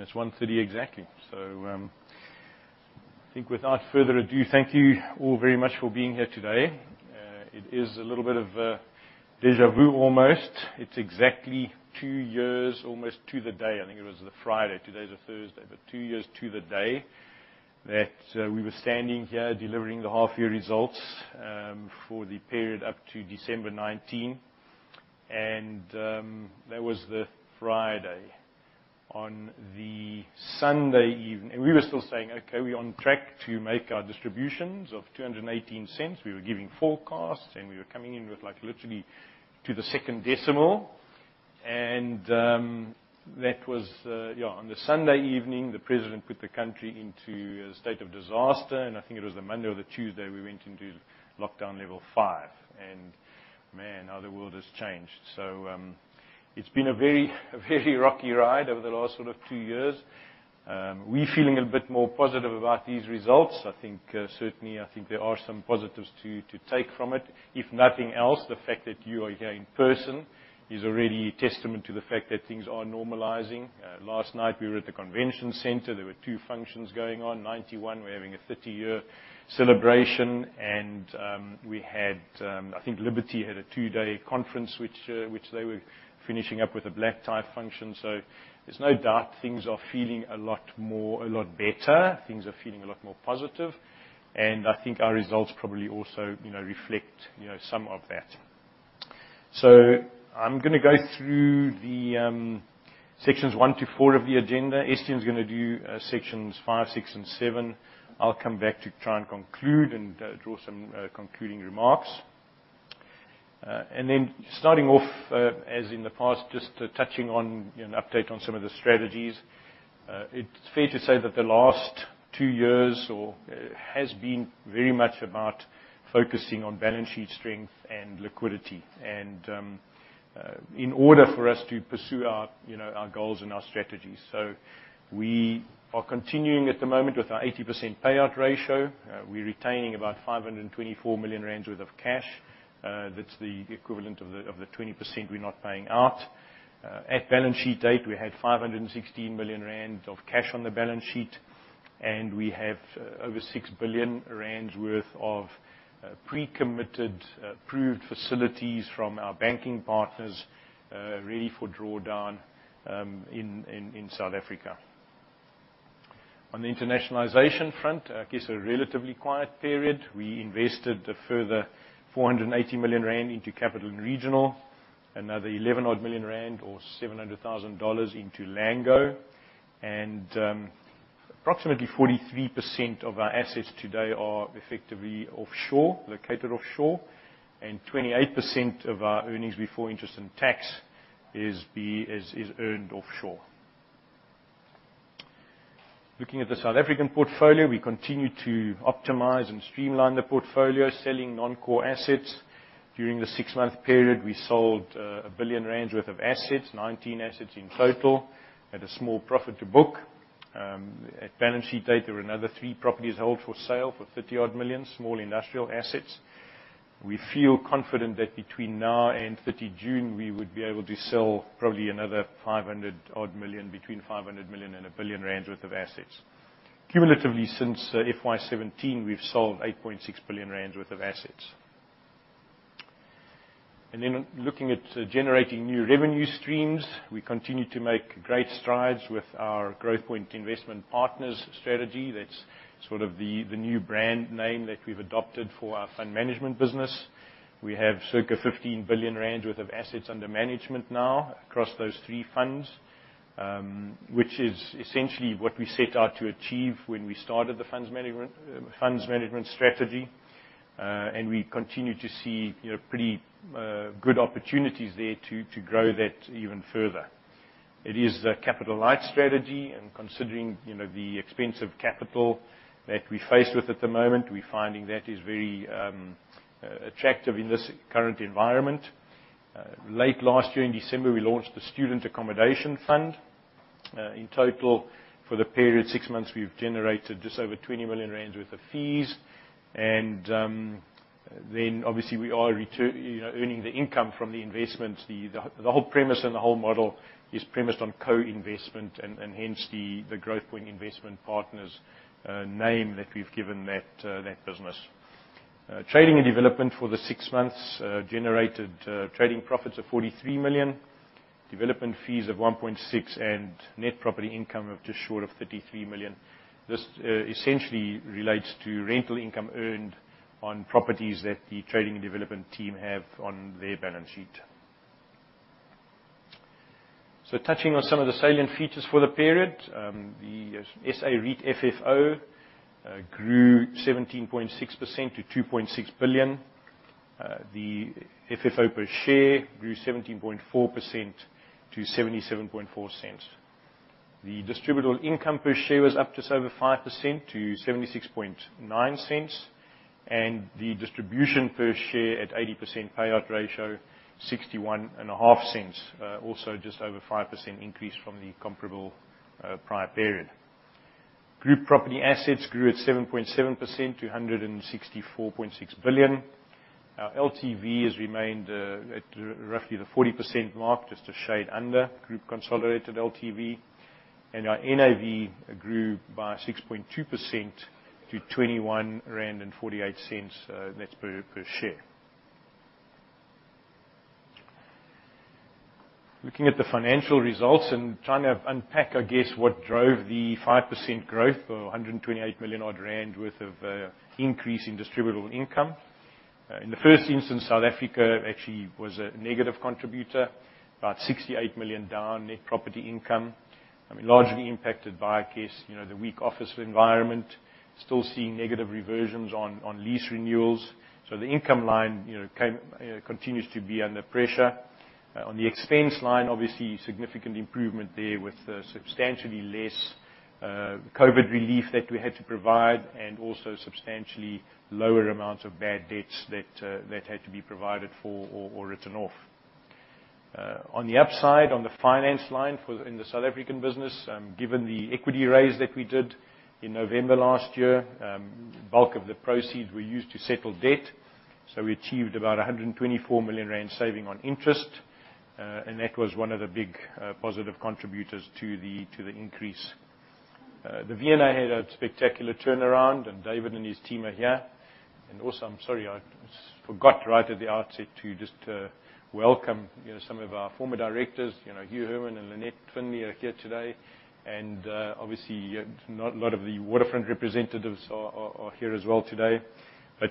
It's 1:30 exactly. I think without further ado, thank you all very much for being here today. It is a little bit of a déjà vu almost. It's exactly two years almost to the day. I think it was a Friday, today is a Thursday, but two years to the day that we were standing here delivering the half year results for the period up to December 2019. That was the Friday. On the Sunday we were still saying, "Okay, we're on track to make our distributions of 2.18." We were giving forecasts, and we were coming in with, like, literally to the second decimal. That was on the Sunday evening, the president put the country into a state of disaster, and I think it was the Monday or the Tuesday, we went into lockdown level five. Man, how the world has changed. It's been a very, very rocky ride over the last sort of two years. We feeling a bit more positive about these results. I think, certainly, I think there are some positives to take from it. If nothing else, the fact that you are here in person is already a testament to the fact that things are normalizing. Last night, we were at the convention center. There were two functions going on. Ninety One, we're having a 30-year celebration. We had, I think Liberty had a two-day conference, which they were finishing up with a black-tie function. There's no doubt things are feeling a lot more, a lot better. Things are feeling a lot more positive. I think our results probably also, you know, reflect, you know, some of that. I'm gonna go through the sections one to four of the agenda. Estienne is gonna do sections five, six, and seven. I'll come back to try and conclude and draw some concluding remarks. Starting off, as in the past, just touching on, you know, an update on some of the strategies. It's fair to say that the last two years or has been very much about focusing on balance sheet strength and liquidity, and in order for us to pursue our, you know, our goals and our strategies. We are continuing at the moment with our 80% payout ratio. We're retaining about 524 million rand worth of cash. That's the equivalent of the 20% we're not paying out. At balance sheet date, we had 516 million rand of cash on the balance sheet, and we have over 6 billion rand worth of pre-committed approved facilities from our banking partners ready for drawdown in South Africa. On the internationalization front, I guess, a relatively quiet period. We invested a further 480 million rand into Capital & Regional, another 11 odd million rand or $700,000 into Lango. Approximately 43% of our assets today are effectively offshore, located offshore, and 28% of our earnings before interest and tax is earned offshore. Looking at the South African portfolio, we continue to optimize and streamline the portfolio, selling non-core assets. During the six-month period, we sold 1 billion rand worth of assets, 19 assets in total, at a small profit to book. At balance sheet date, there were another three properties held for sale for 30-odd million, small industrial assets. We feel confident that between now and 30 June, we would be able to sell probably another 500-odd million, between 500 million and 1 billion rand worth of assets. Cumulatively, since FY 2017, we've sold 8.6 billion rand worth of assets. Looking at generating new revenue streams, we continue to make great strides with our Growthpoint Investment Partners strategy. That's sort of the new brand name that we've adopted for our fund management business. We have circa 15 billion rand worth of assets under management now across those three funds, which is essentially what we set out to achieve when we started the funds management funds management strategy. We continue to see, you know, pretty good opportunities there to grow that even further. It is a capital-light strategy, and considering, you know, the cost of capital that we're faced with at the moment, we're finding that is very attractive in this current environment. Late last year, in December, we launched the student accommodation fund. In total, for the period six months, we've generated just over 20 million rand worth of fees. Then obviously we are you know, earning the income from the investments. The whole premise and the whole model is premised on co-investment and hence the Growthpoint Investment Partners name that we've given that business. Trading and development for the six months generated trading profits of 43 million, development fees of 1.6 million, and net property income of just short of 33 million. This essentially relates to rental income earned on properties that the trading and development team have on their balance sheet. Touching on some of the salient features for the period, the SA REIT FFO grew 17.6% to 2.6 billion. The FFO per share grew 17.4% to 0.774. The distributable income per share was up just over 5% to 0.769, and the distribution per share at 80% payout ratio, 0.615. Also just over 5% increase from the comparable prior period. Group property assets grew at 7.7% to 164.6 billion. Our LTV has remained at roughly the 40% mark, just a shade under group consolidated LTV. Our NAV grew by 6.2% to 21.48 rand net per share. Looking at the financial results and trying to unpack, I guess, what drove the 5% growth or 128 million-odd rand worth of increase in distributable income. In the first instance, South Africa actually was a negative contributor. About 68 million down net property income. I mean, largely impacted by you know, the weak office environment. Still seeing negative reversions on lease renewals. The income line, you know, continues to be under pressure. On the expense line, obviously, significant improvement there with substantially less COVID relief that we had to provide, and also substantially lower amounts of bad debts that had to be provided for or written off. On the upside, on the finance line in the South African business, given the equity raise that we did in November last year, bulk of the proceeds were used to settle debt. We achieved about 124 million rand saving on interest, and that was one of the big positive contributors to the increase. The V&A had a spectacular turnaround, and David and his team are here. Also, I'm sorry, I forgot right at the outset to just welcome, you know, some of our former directors. You know, Hugh Herman and Lynette Finlay are here today. Obviously, a lot of the Waterfront representatives are here as well today.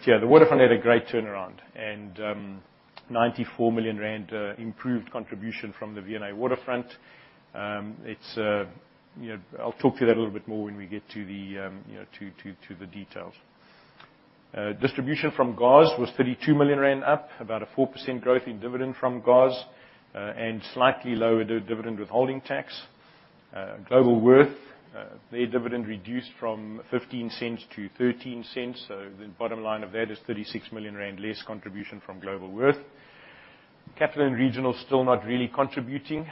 Yeah, the Waterfront had a great turnaround, and 94 million rand improved contribution from the V&A Waterfront. It's, you know, I'll talk to that a little bit more when we get to the, you know, to the details. Distribution from GOZ was 32 million rand up, about a 4% growth in dividend from GOZ, and slightly lower dividend withholding tax. Globalworth, their dividend reduced from 0.15 to 0.13. The bottom line of that is 36 million rand less contribution from Globalworth. Capital & Regional still not really contributing.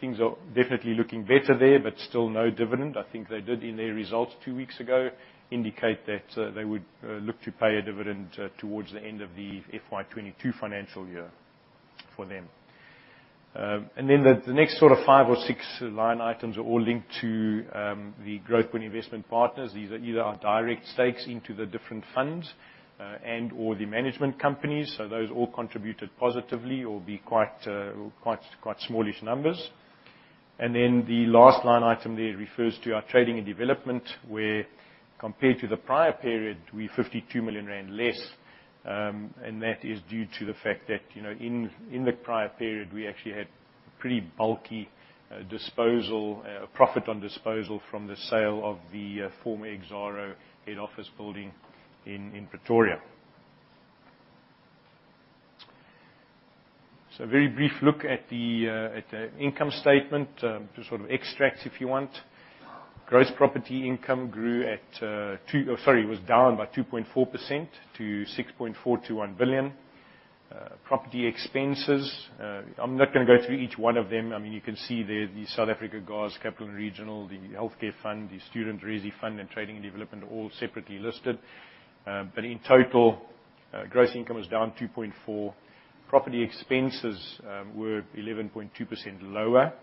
Things are definitely looking better there, but still no dividend. I think they did in their results two weeks ago indicate that they would look to pay a dividend towards the end of the FY 2022 financial year for them. The next sort of five or six line items are all linked to the Growthpoint Investment Partners. These are either our direct stakes into the different funds and/or the management companies. Those all contributed positively or were quite smallish numbers. The last line item there refers to our trading and development, where compared to the prior period, we 52 million rand less. That is due to the fact that, you know, in the prior period, we actually had pretty bulky disposal profit on disposal from the sale of the former Exxaro head office building in Pretoria. A very brief look at the income statement, just sort of extracts, if you want. Gross property income was down by 2.4% to 6.421 billion. Property expenses, I'm not gonna go through each one of them. I mean, you can see there the South Africa GOZ, Capital & Regional, the Healthcare Fund, the Student Resi Fund, and Trading and Development are all separately listed. In total, gross income was down 2.4%. Property expenses were 11.2% lower.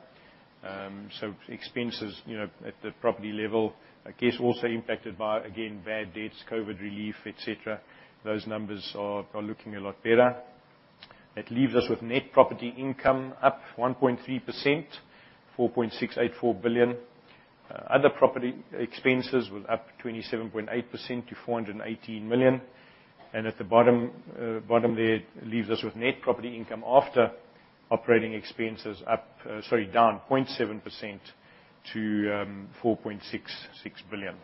Expenses, you know, at the property level, I guess, also impacted by, again, bad debts, COVID relief, et cetera. Those numbers are looking a lot better. That leaves us with net property income up 1.3%, 4.684 billion. Other property expenses were up 27.8% to 418 million. At the bottom there, leaves us with net property income after operating expenses down 0.7% to ZAR 4.66 billion.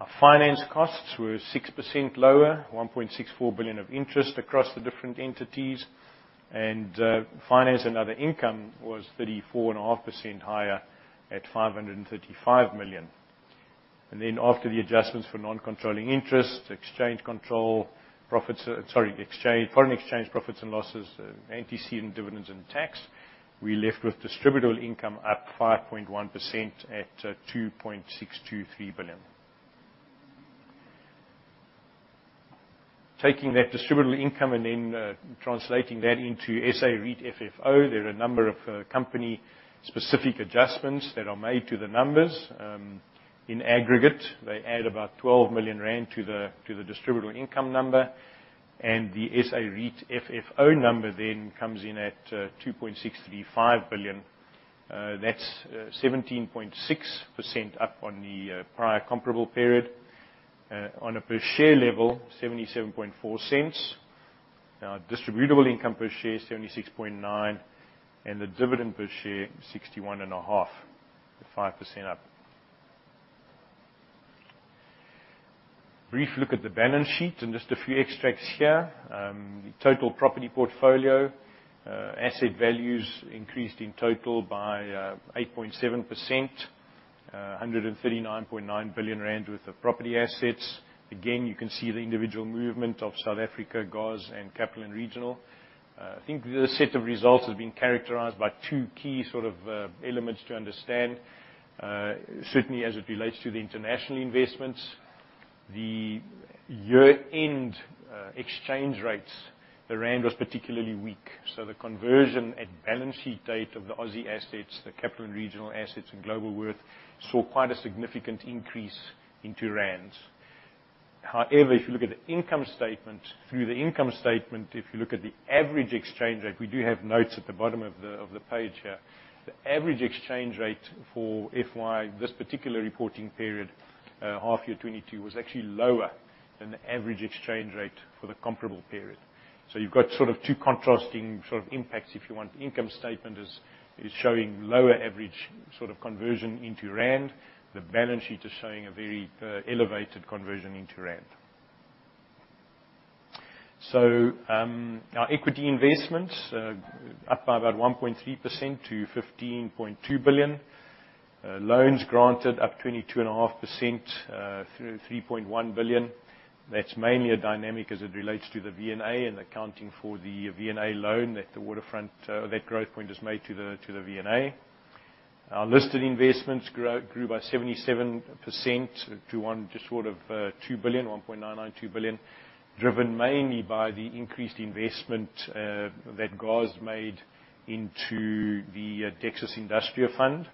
Our finance costs were 6% lower, 1.64 billion of interest across the different entities. Finance and other income was 34.5% higher at 535 million. After the adjustments for non-controlling interest, exchange control, foreign exchange profits and losses, LTV and dividends and tax, we're left with distributable income up 5.1% at ZAR 2.623 billion. Taking that distributable income and then translating that into SA REIT FFO, there are a number of company specific adjustments that are made to the numbers. In aggregate, they add about 12 million rand to the distributable income number. The SA REIT FFO number then comes in at 2.635 billion. That's 17.6% up on the prior comparable period. On a per share level, 0.774. Our distributable income per share is 0.769, and the dividend per share 0.615, so 5% up. Brief look at the balance sheet and just a few extracts here. The total property portfolio asset values increased in total by 8.7%. 139.9 billion rand with the property assets. Again, you can see the individual movement of South Africa, GOZ, and Capital & Regional. I think this set of results has been characterized by two key sort of elements to understand. Certainly as it relates to the international investments, the year-end exchange rates, the rand was particularly weak, so the conversion at balance sheet date of the Aussie assets, the Capital & Regional assets, and Globalworth saw quite a significant increase into rands. However, if you look at the income statement, if you look at the average exchange rate, we do have notes at the bottom of the page here. The average exchange rate for FY, this particular reporting period, half year 2022, was actually lower than the average exchange rate for the comparable period. You've got sort of two contrasting sort of impacts if you want. Income statement is showing lower average sort of conversion into rand. The balance sheet is showing a very elevated conversion into rand. Our equity investments up by about 1.3% to 15.2 billion. Loans granted up 22.5% to 3.1 billion. That's mainly a dynamic as it relates to the V&A and accounting for the V&A loan that the Waterfront that Growthpoint has made to the V&A. Our listed investments grew by 77% to 1.992 billion, driven mainly by the increased investment that GOZ made into the Dexus Industria Fund.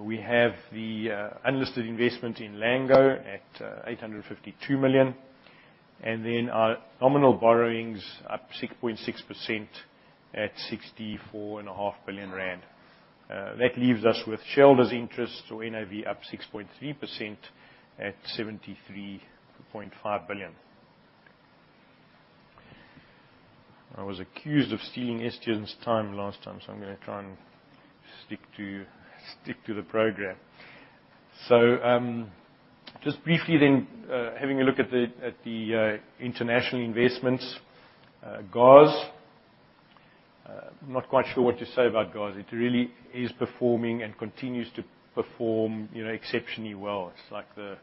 We have the unlisted investment in Lango at 852 million. Then our nominal borrowings up 6.6% at 64.5 billion rand. That leaves us with shareholders' interest or NAV up 6.3% at ZAR 73.5 billion. I was accused of stealing Estienne's time last time, so I'm gonna try and stick to the program. Just briefly then, having a look at the international investments. GOZ, not quite sure what to say about GOZ. It really is performing and continues to perform, you know, exceptionally well. It's like the,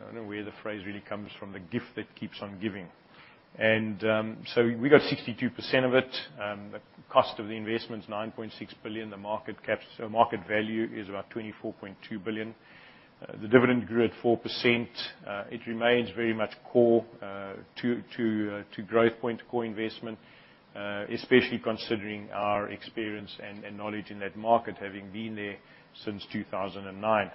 I don't know where the phrase really comes from, the gift that keeps on giving. We got 62% of it. The cost of the investment's 9.6 billion. The market cap, so market value is about 24.2 billion. The dividend grew at 4%. It remains very much core to Growthpoint core investment, especially considering our experience and knowledge in that market, having been there since 2009.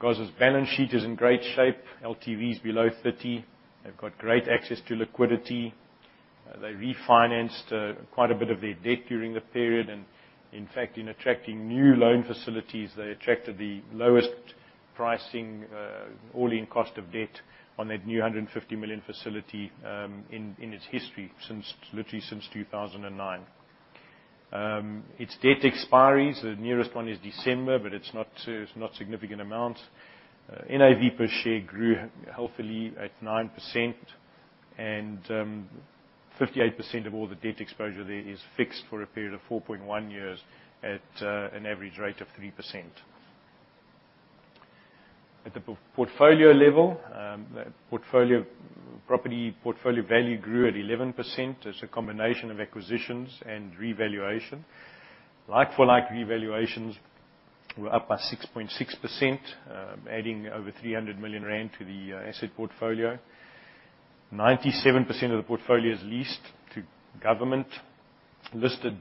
GOZ's balance sheet is in great shape. LTV's below 30%. They've got great access to liquidity. They refinanced quite a bit of their debt during the period. In fact, in attracting new loan facilities, they attracted the lowest pricing, all-in cost of debt on that new 150 million facility, in its history since literally 2009. Its debt expiries, the nearest one is December, but it's not a significant amount. NAV per share grew healthily at 9%. 58% of all the debt exposure there is fixed for a period of 4.1 years at an average rate of 3%. At the portfolio level, property portfolio value grew at 11%. It's a combination of acquisitions and revaluation. Like for like revaluations were up by 6.6%, adding over 300 million rand to the asset portfolio. 97% of the portfolio is leased to government, listed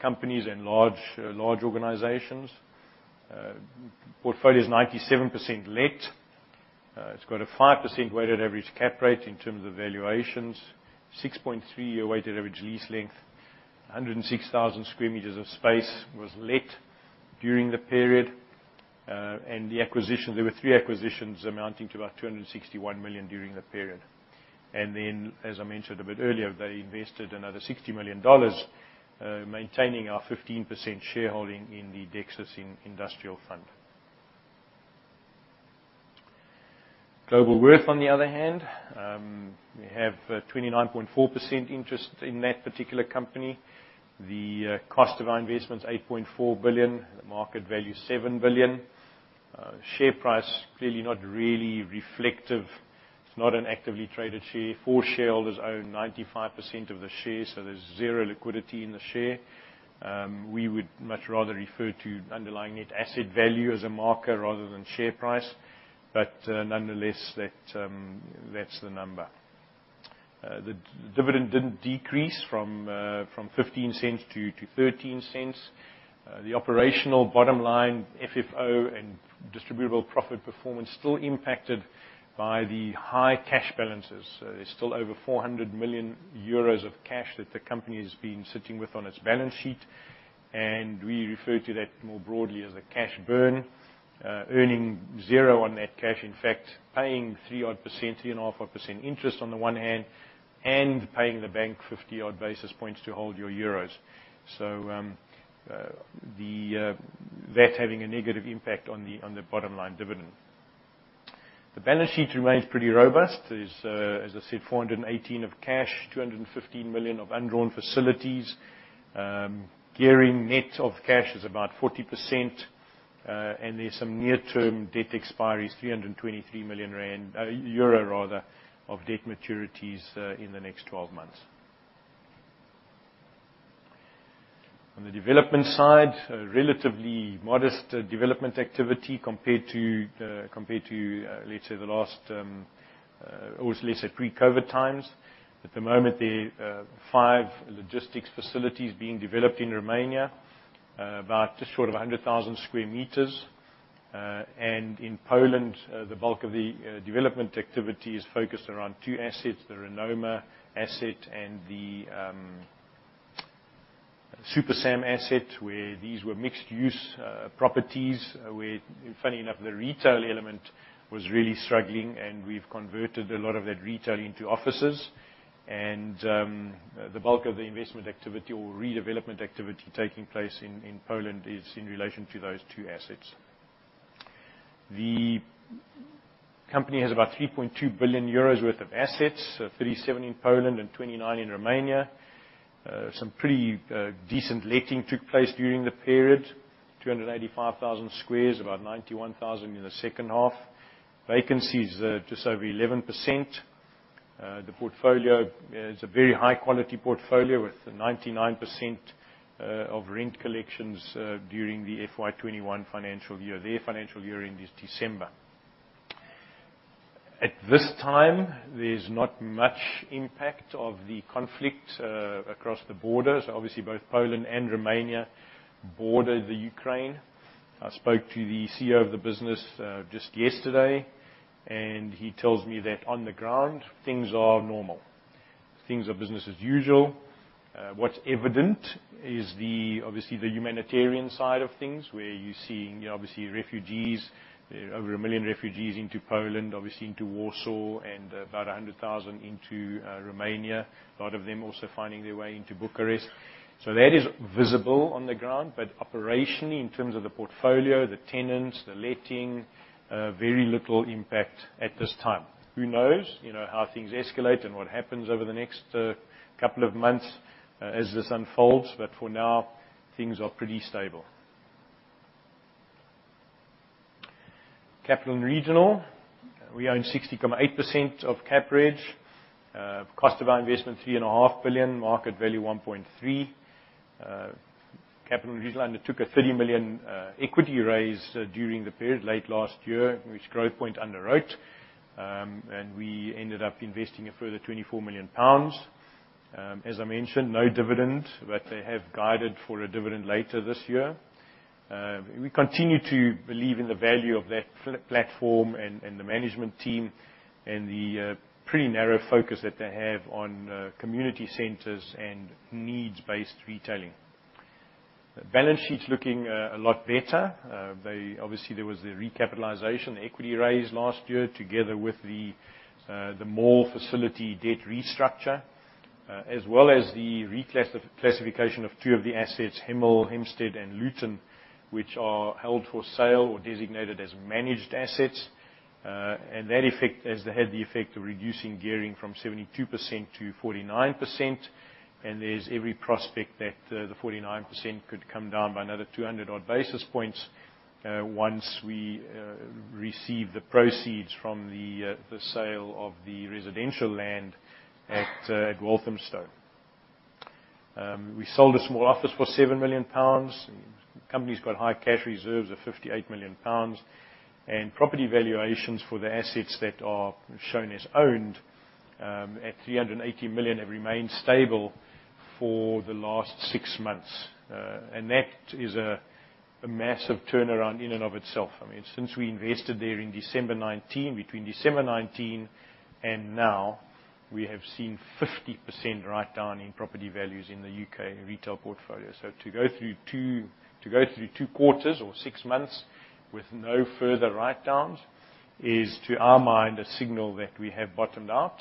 companies and large organizations. Portfolio's 97% let. It's got a 5% weighted average cap rate in terms of valuations. 6.3-year weighted average lease length. 106,000 sq m of space was let during the period. There were three acquisitions amounting to about 261 million during the period. As I mentioned a bit earlier, they invested another $60 million, maintaining our 15% shareholding in the Dexus Industria REIT. Globalworth, on the other hand, we have a 29.4% interest in that particular company. The cost of our investment's 8.4 billion. The market value 7 billion. Share price clearly not really reflective. It's not an actively traded share. Four shareholders own 95% of the shares, so there's zero liquidity in the share. We would much rather refer to underlying net asset value as a marker rather than share price. Nonetheless, that's the number. The dividend didn't decrease from 0.15 to 0.13. The operational bottom line, FFO and distributable profit performance still impacted by the high cash balances. There's still over 400 million euros of cash that the company has been sitting with on its balance sheet. We refer to that more broadly as a cash burn, earning zero on that cash. In fact, paying 3 odd%, 3.5 odd% interest on the one hand and paying the bank 50 odd basis points to hold your euros. That having a negative impact on the bottom line dividend. The balance sheet remains pretty robust. There's, as I said, 418 million of cash, 215 million of undrawn facilities. Gearing net of cash is about 40%. And there's some near-term debt expiries, EUR 323 million of debt maturities in the next twelve months. On the development side, a relatively modest development activity compared to, let's say, pre-COVID times. At the moment there are 5 logistics facilities being developed in Romania, about just short of 100,000 sq m. In Poland, the bulk of the development activity is focused around two assets, the Renoma asset and the SuperSAM asset, where these were mixed use properties, where funny enough, the retail element was really struggling and we've converted a lot of that retail into offices. The bulk of the investment activity or redevelopment activity taking place in Poland is in relation to those two assets. The company has about 3.2 billion euros worth of assets, 37 in Poland and 29 in Romania. Some pretty decent letting took place during the period, 285,000 sq m, about 91,000 sq m in the second half. Vacancy is just over 11%. The portfolio is a very high quality portfolio with 99% of rent collections during the FY 2021 financial year. Their financial year-end is December. At this time, there's not much impact of the conflict across the border. Obviously both Poland and Romania border the Ukraine. I spoke to the CEO of the business just yesterday, and he tells me that on the ground, things are normal. Things are business as usual. What's evident is the obviously the humanitarian side of things, where you're seeing obviously refugees, over 1 million refugees into Poland, obviously into Warsaw, and about 100,000 into Romania. A lot of them also finding their way into Bucharest. That is visible on the ground, but operationally, in terms of the portfolio, the tenants, the letting, very little impact at this time. Who knows, you know, how things escalate and what happens over the next couple of months as this unfolds, but for now, things are pretty stable. Capital & Regional. We own 60.8% of CapReg. Cost of our investment, 3.5 billion. Market value, 1.3 billion. Capital & Regional undertook a 30 million equity raise during the period late last year, which Growthpoint underwrote. We ended up investing a further 24 million pounds. As I mentioned, no dividend, but they have guided for a dividend later this year. We continue to believe in the value of that platform and the management team and the pretty narrow focus that they have on community centers and needs-based retailing. Balance sheet's looking a lot better. They. Obviously, there was the recapitalization, the equity raise last year together with the mall facility debt restructure, as well as the reclassification of two of the assets, Hemel Hempstead, and Luton, which are held for sale or designated as managed assets. That effect has had the effect of reducing gearing from 72% to 49%. There's every prospect that the 49% could come down by another 200 odd basis points once we receive the proceeds from the sale of the residential land at Walthamstow. We sold a small office for 7 million pounds. Company's got high cash reserves of 58 million pounds. Property valuations for the assets that are shown as owned at 380 million have remained stable for the last six months. That is a massive turnaround in and of itself. I mean, since we invested there in December 2019, between December 2019 and now, we have seen 50% writedown in property values in the U.K. retail portfolio. To go through two quarters or six months with no further writedowns is, to our mind, a signal that we have bottomed out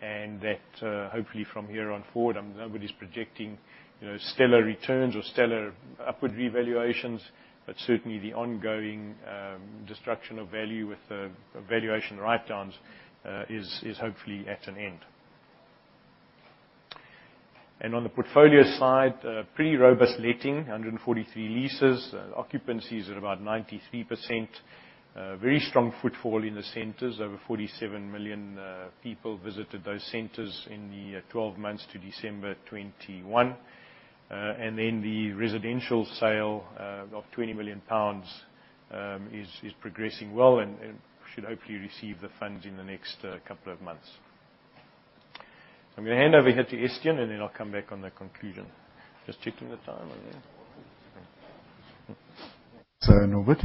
and that, hopefully from here on forward, nobody's projecting, you know, stellar returns or stellar upward revaluations, but certainly the ongoing destruction of value with valuation writedowns is hopefully at an end. On the portfolio side, pretty robust letting. 143 leases. Occupancy is at about 93%. Very strong footfall in the centers. Over 47 million people visited those centers in the 12 months to December 2021. The residential sale of 20 million pounds is progressing well and should hopefully receive the funds in the next couple of months. I'm gonna hand over here to Estienne, and then I'll come back on the conclusion. Just checking the time on here. Norbert.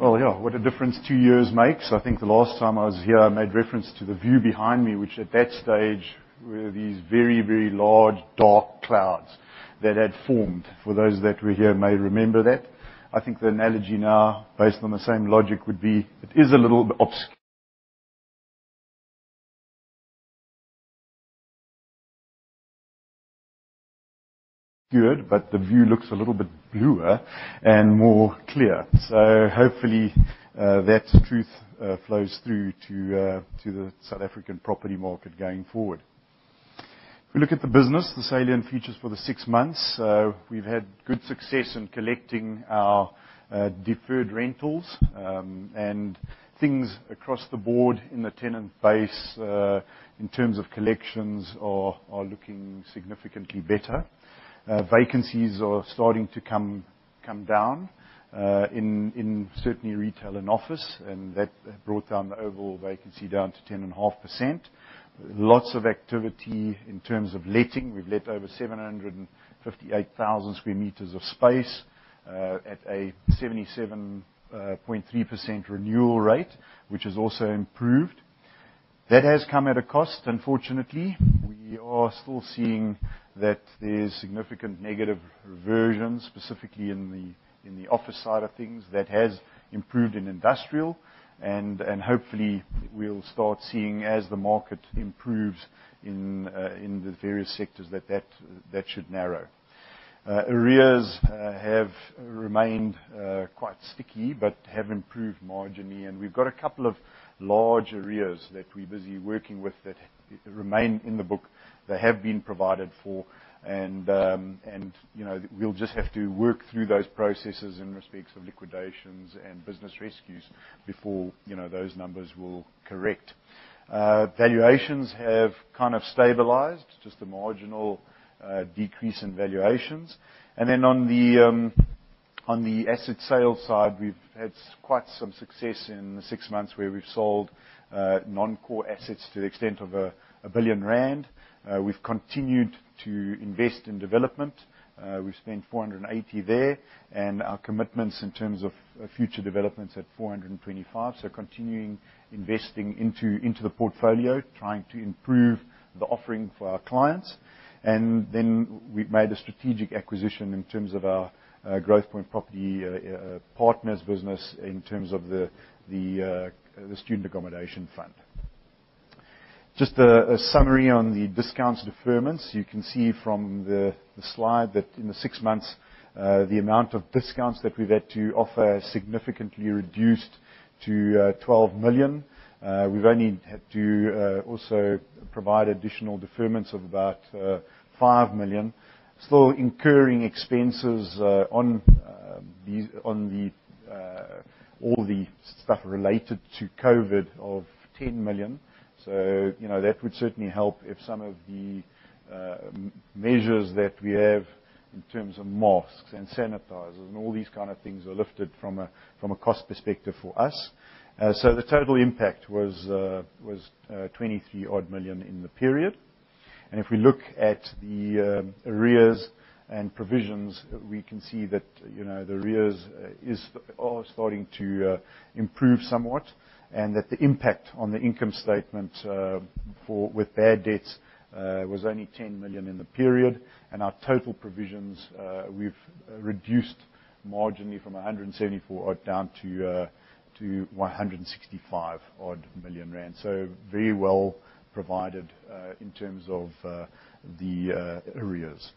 Well, yeah, what a difference two years makes. I think the last time I was here, I made reference to the view behind me, which at that stage were these very, very large dark clouds that had formed. For those that were here may remember that. I think the analogy now, based on the same logic, would be good, but the view looks a little bit bluer and more clear. Hopefully, that holds true flows through to the South African property market going forward. If we look at the business, the salient features for the six months. We've had good success in collecting our deferred rentals. And things across the board in the tenant base, in terms of collections are looking significantly better. Vacancies are starting to come down in certainly retail and office, and that brought down the overall vacancy down to 10.5%. Lots of activity in terms of letting. We've let over 758,000 sq m of space at a 77.3% renewal rate, which has also improved. That has come at a cost, unfortunately. We are still seeing that there's significant negative reversion, specifically in the office side of things. That has improved in industrial and hopefully we'll start seeing as the market improves in the various sectors that should narrow. Arrears have remained quite sticky, but have improved marginally. We've got a couple of large arrears that we're busy working with that remain in the book. They have been provided for and, you know, we'll just have to work through those processes in respect of liquidations and business rescues before, you know, those numbers will correct. Valuations have kind of stabilized. Just a marginal decrease in valuations. Then on the asset sales side, we've had quite some success in the six months where we've sold non-core assets to the extent of 1 billion rand. We've continued to invest in development. We've spent 480 million there, and our commitments in terms of future developments at 425 million. Continuing investing into the portfolio, trying to improve the offering for our clients. Then we've made a strategic acquisition in terms of our Growthpoint Investment Partners business in terms of the student accommodation fund. Just a summary on the discounts deferments. You can see from the slide that in the six months the amount of discounts that we've had to offer significantly reduced to 12 million. We've only had to also provide additional deferments of about 5 million. Still incurring expenses on all the stuff related to COVID of 10 million. You know, that would certainly help if some of the measures that we have in terms of masks and sanitizers and all these kind of things are lifted from a cost perspective for us. The total impact was 23 odd million in the period. If we look at the arrears and provisions, we can see that, you know, the arrears are starting to improve somewhat, and that the impact on the income statement for bad debts was only 10 million in the period. Our total provisions we've reduced marginally from 174 million-odd down to 165 million rand-odd. Very well provided in terms of the arrears.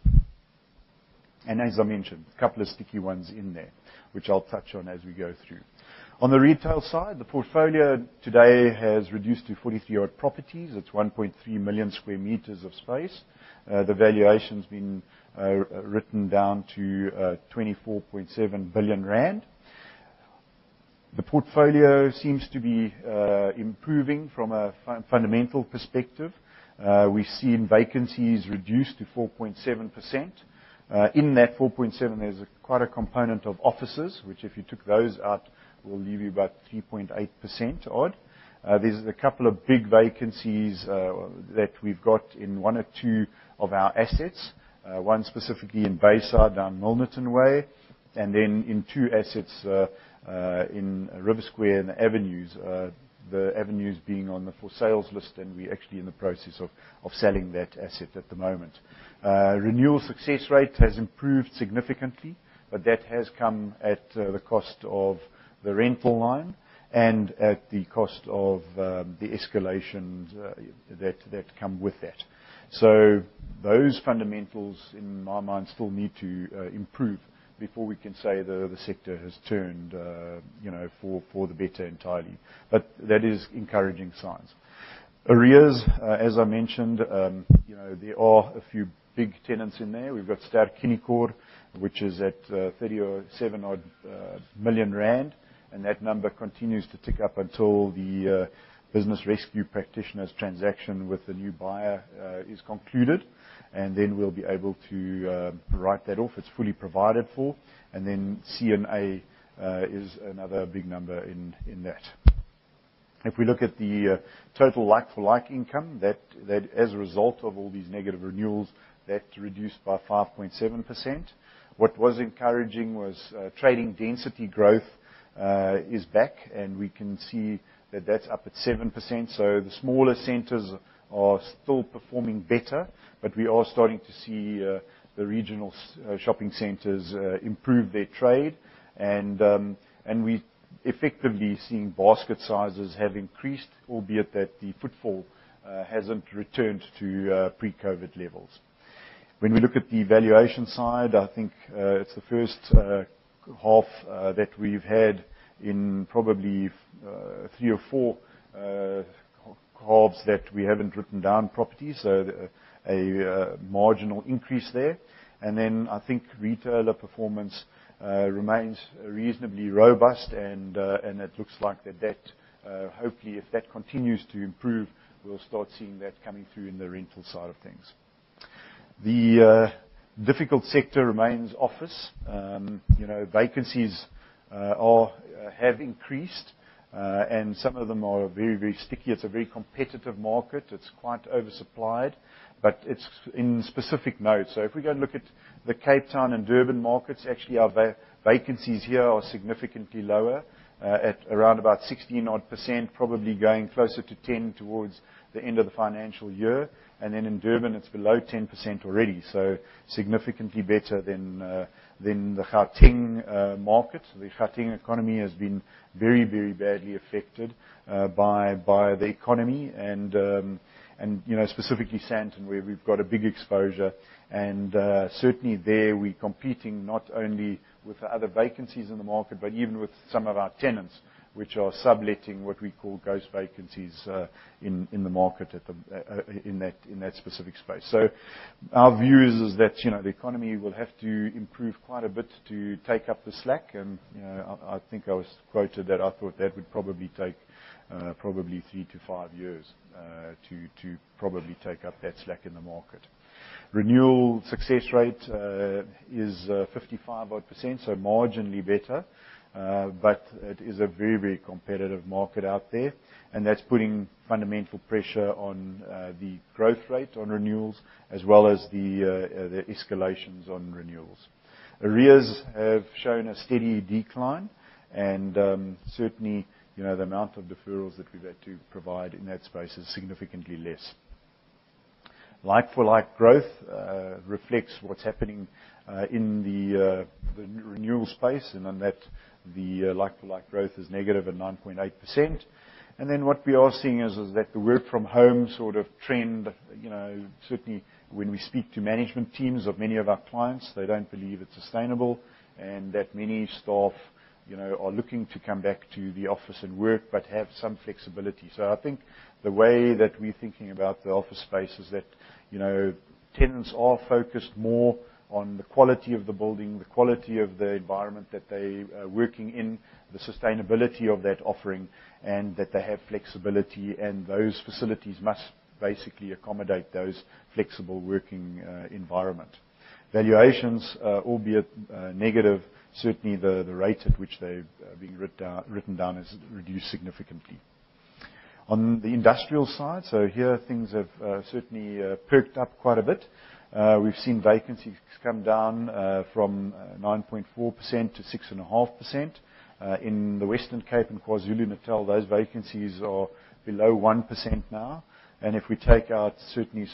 As I mentioned, a couple of sticky ones in there, which I'll touch on as we go through. On the retail side, the portfolio today has reduced to 43-odd properties. It's 1.3 million sq m of space. The valuation's been written down to 24.7 billion rand. The portfolio seems to be improving from a fundamental perspective. We've seen vacancies reduced to 4.7%. In that 4.7%, there's quite a component of offices, which if you took those out, will leave you about 3.8% odd. There's a couple of big vacancies that we've got in one or two of our assets. One specifically in Bayside down Milnerton way, and then in two assets in River Square and The Avenues. The Avenues being on the for-sale list, and we're actually in the process of selling that asset at the moment. Renewal success rate has improved significantly, but that has come at the cost of the rental line and at the cost of the escalations that come with that. Those fundamentals in my mind still need to improve before we can say the sector has turned you know for the better entirely. That is encouraging signs. Arrears as I mentioned you know there are a few big tenants in there. We've got Ster-Kinekor which is at 37 million rand and that number continues to tick up until the business rescue practitioner's transaction with the new buyer is concluded and then we'll be able to write that off. It's fully provided for. CNA is another big number in that. If we look at the total like-for-like income that as a result of all these negative renewals that reduced by 5.7%. What was encouraging was trading density growth is back, and we can see that that's up at 7%. The smaller centers are still performing better, but we are starting to see the regional shopping centers improve their trade. We effectively seeing basket sizes have increased, albeit that the footfall hasn't returned to pre-COVID levels. When we look at the valuation side, I think it's the first half that we've had in probably three or four halves that we haven't written down properties. A marginal increase there. Then I think retailer performance remains reasonably robust and it looks like that hopefully if that continues to improve, we'll start seeing that coming through in the rental side of things. The difficult sector remains office. You know, vacancies have increased, and some of them are very, very sticky. It's a very competitive market. It's quite oversupplied, but it's in specific nodes. If we go and look at the Cape Town and Durban markets, actually our vacancies here are significantly lower at around 16%, probably going closer to 10% towards the end of the financial year. In Durban, it's below 10% already. Significantly better than the Gauteng market. The Gauteng economy has been very, very badly affected by the economy and you know, specifically Sandton, where we've got a big exposure. Certainly there, we're competing not only with other vacancies in the market, but even with some of our tenants which are subletting what we call ghost vacancies in the market in that specific space. Our view is that, you know, the economy will have to improve quite a bit to take up the slack. You know, I think I was quoted that I thought that would probably take 3-5 years to probably take up that slack in the market. Renewal success rate is 55-odd%, so marginally better. It is a very competitive market out there, and that's putting fundamental pressure on the growth rate on renewals as well as the escalations on renewals. Arrears have shown a steady decline, and certainly, you know, the amount of deferrals that we've had to provide in that space is significantly less. Like-for-like growth reflects what's happening in the renewal space, and in that the like-for-like growth is negative at 9.8%. What we are seeing is that the work from home sort of trend, you know, certainly when we speak to management teams of many of our clients, they don't believe it's sustainable and that many staff, you know, are looking to come back to the office and work but have some flexibility. I think the way that we're thinking about the office space is that, you know, tenants are focused more on the quality of the building, the quality of the environment that they are working in, the sustainability of that offering, and that they have flexibility and those facilities must basically accommodate those flexible working environment. Valuations, albeit negative, certainly the rate at which they've been written down has reduced significantly. On the industrial side, here things have certainly perked up quite a bit. We've seen vacancies come down from 9.4% to 6.5%. In the Western Cape and KwaZulu-Natal, those vacancies are below 1% now. If we take out certain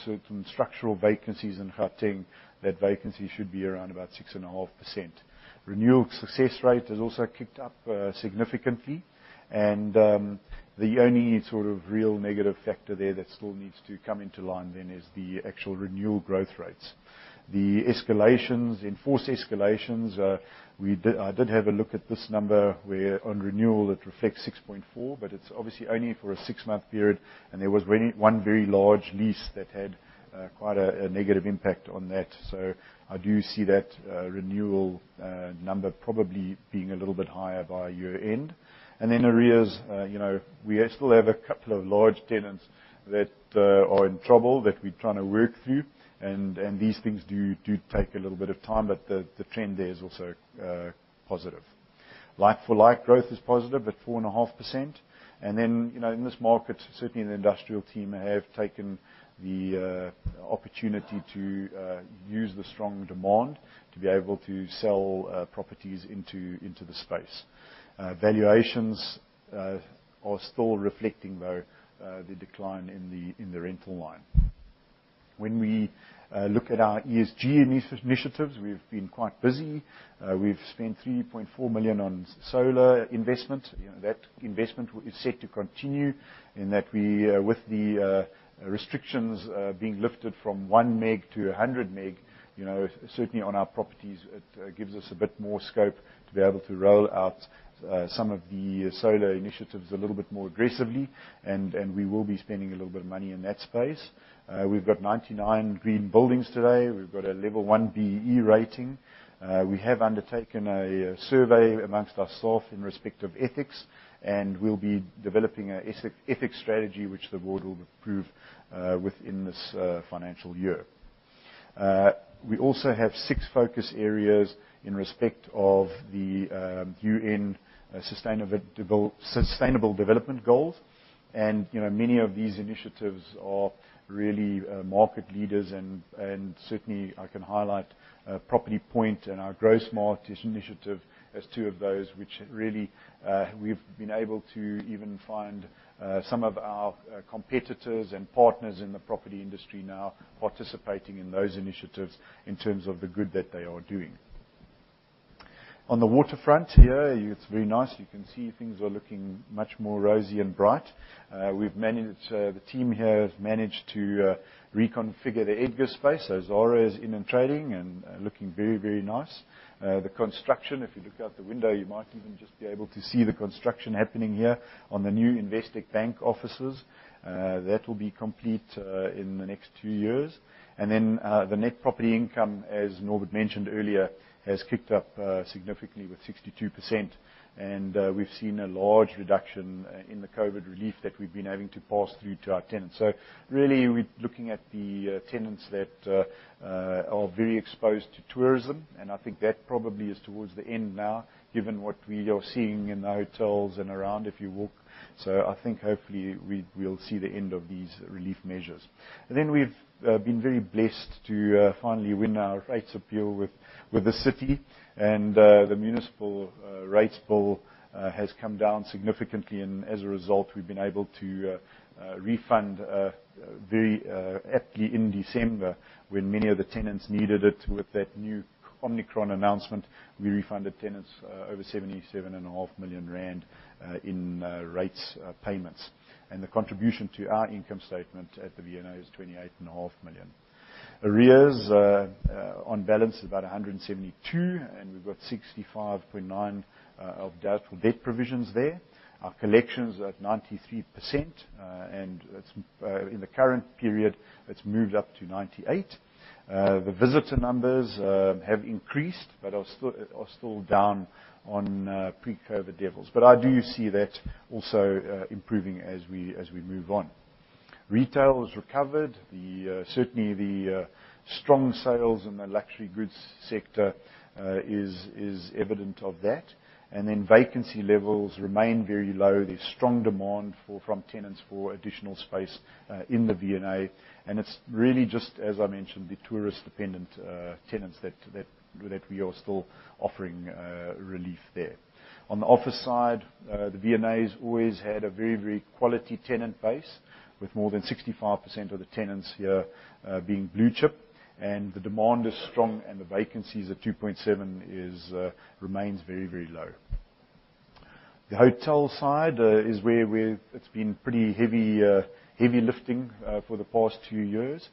structural vacancies in Gauteng, that vacancy should be around about 6.5%. Renewal success rate has also kicked up significantly, and the only sort of real negative factor there that still needs to come into line is the actual renewal growth rates. The escalations, enforced escalations, I did have a look at this number where on renewal it reflects 6.4%, but it's obviously only for a six-month period, and there was really one very large lease that had quite a negative impact on that. I do see that renewal number probably being a little bit higher by year-end. Arrears, you know, we still have a couple of large tenants that are in trouble that we're trying to work through. These things do take a little bit of time, but the trend there is also positive. Like-for-like growth is positive at 4.5%. You know, in this market, certainly the industrial team have taken the opportunity to use the strong demand to be able to sell properties into the space. Valuations are still reflecting though the decline in the rental line. When we look at our ESG initiatives, we've been quite busy. We've spent 3.4 million on solar investment. You know, that investment is set to continue in that we with the restrictions being lifted from one meg to 100 meg, you know, certainly on our properties it gives us a bit more scope to be able to roll out some of the solar initiatives a little bit more aggressively and we will be spending a little bit of money in that space. We've got 99 green buildings today. We've got a level one BEE rating. We have undertaken a survey among our staff in respect of ethics, and we'll be developing an ethics strategy which the board will approve within this financial year. We also have six focus areas in respect of the UN Sustainable Development Goals. You know, many of these initiatives are really market leaders and certainly I can highlight Property Point and our Growth Markets initiative as two of those which really we've been able to even find some of our competitors and partners in the property industry now participating in those initiatives in terms of the good that they are doing. On the waterfront here, it's very nice. You can see things are looking much more rosy and bright. We've managed... The team here have managed to reconfigure the Edgars space. Zara is in and trading and looking very, very nice. The construction, if you look out the window, you might even just be able to see the construction happening here on the new Investec Bank offices. That will be complete in the next two years. The net property income, as Norbert mentioned earlier, has kicked up significantly with 62%. We've seen a large reduction in the COVID relief that we've been having to pass through to our tenants. Really, we're looking at the tenants that are very exposed to tourism, and I think that probably is towards the end now, given what we are seeing in the hotels and around if you walk. I think, hopefully, we'll see the end of these relief measures. Then we've been very blessed to finally win our rates appeal with the city and the municipal rates bill has come down significantly. As a result, we've been able to refund very aptly in December when many of the tenants needed it with that new Omicron announcement. We refunded tenants over 77.5 million rand in rates payments. The contribution to our income statement at the V&A is 28.5 million. Arrears on balance is about 172 million, and we've got 65.9 million of doubtful debt provisions there. Our collections are at 93%, and that's in the current period, it's moved up to 98%. The visitor numbers have increased, but are still down on pre-COVID levels. I do see that also improving as we move on. Retail has recovered. Certainly the strong sales in the luxury goods sector is evident of that. Then vacancy levels remain very low. There's strong demand from tenants for additional space in the V&A, and it's really just, as I mentioned, the tourist-dependent tenants that we are still offering relief there. On the office side, the V&A's always had a very quality tenant base with more than 65% of the tenants here being Blue Chip, and the demand is strong and the vacancy is at 2.7% remains very low. The hotel side, it's been pretty heavy lifting for the past two years.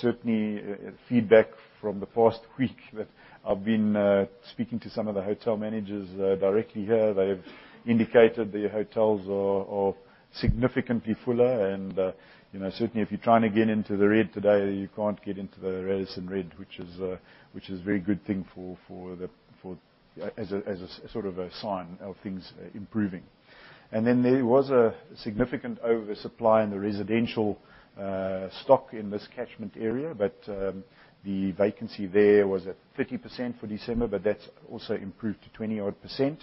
Certainly, feedback from the past week that I've been speaking to some of the hotel managers directly here, they've indicated the hotels are significantly fuller and, you know, certainly if you're trying to get into the Rad today, you can't get into the Radisson RED, which is a very good thing as a sort of a sign of things improving. Then there was a significant oversupply in the residential stock in this catchment area, but the vacancy there was at 30% for December, but that's also improved to 20-odd%.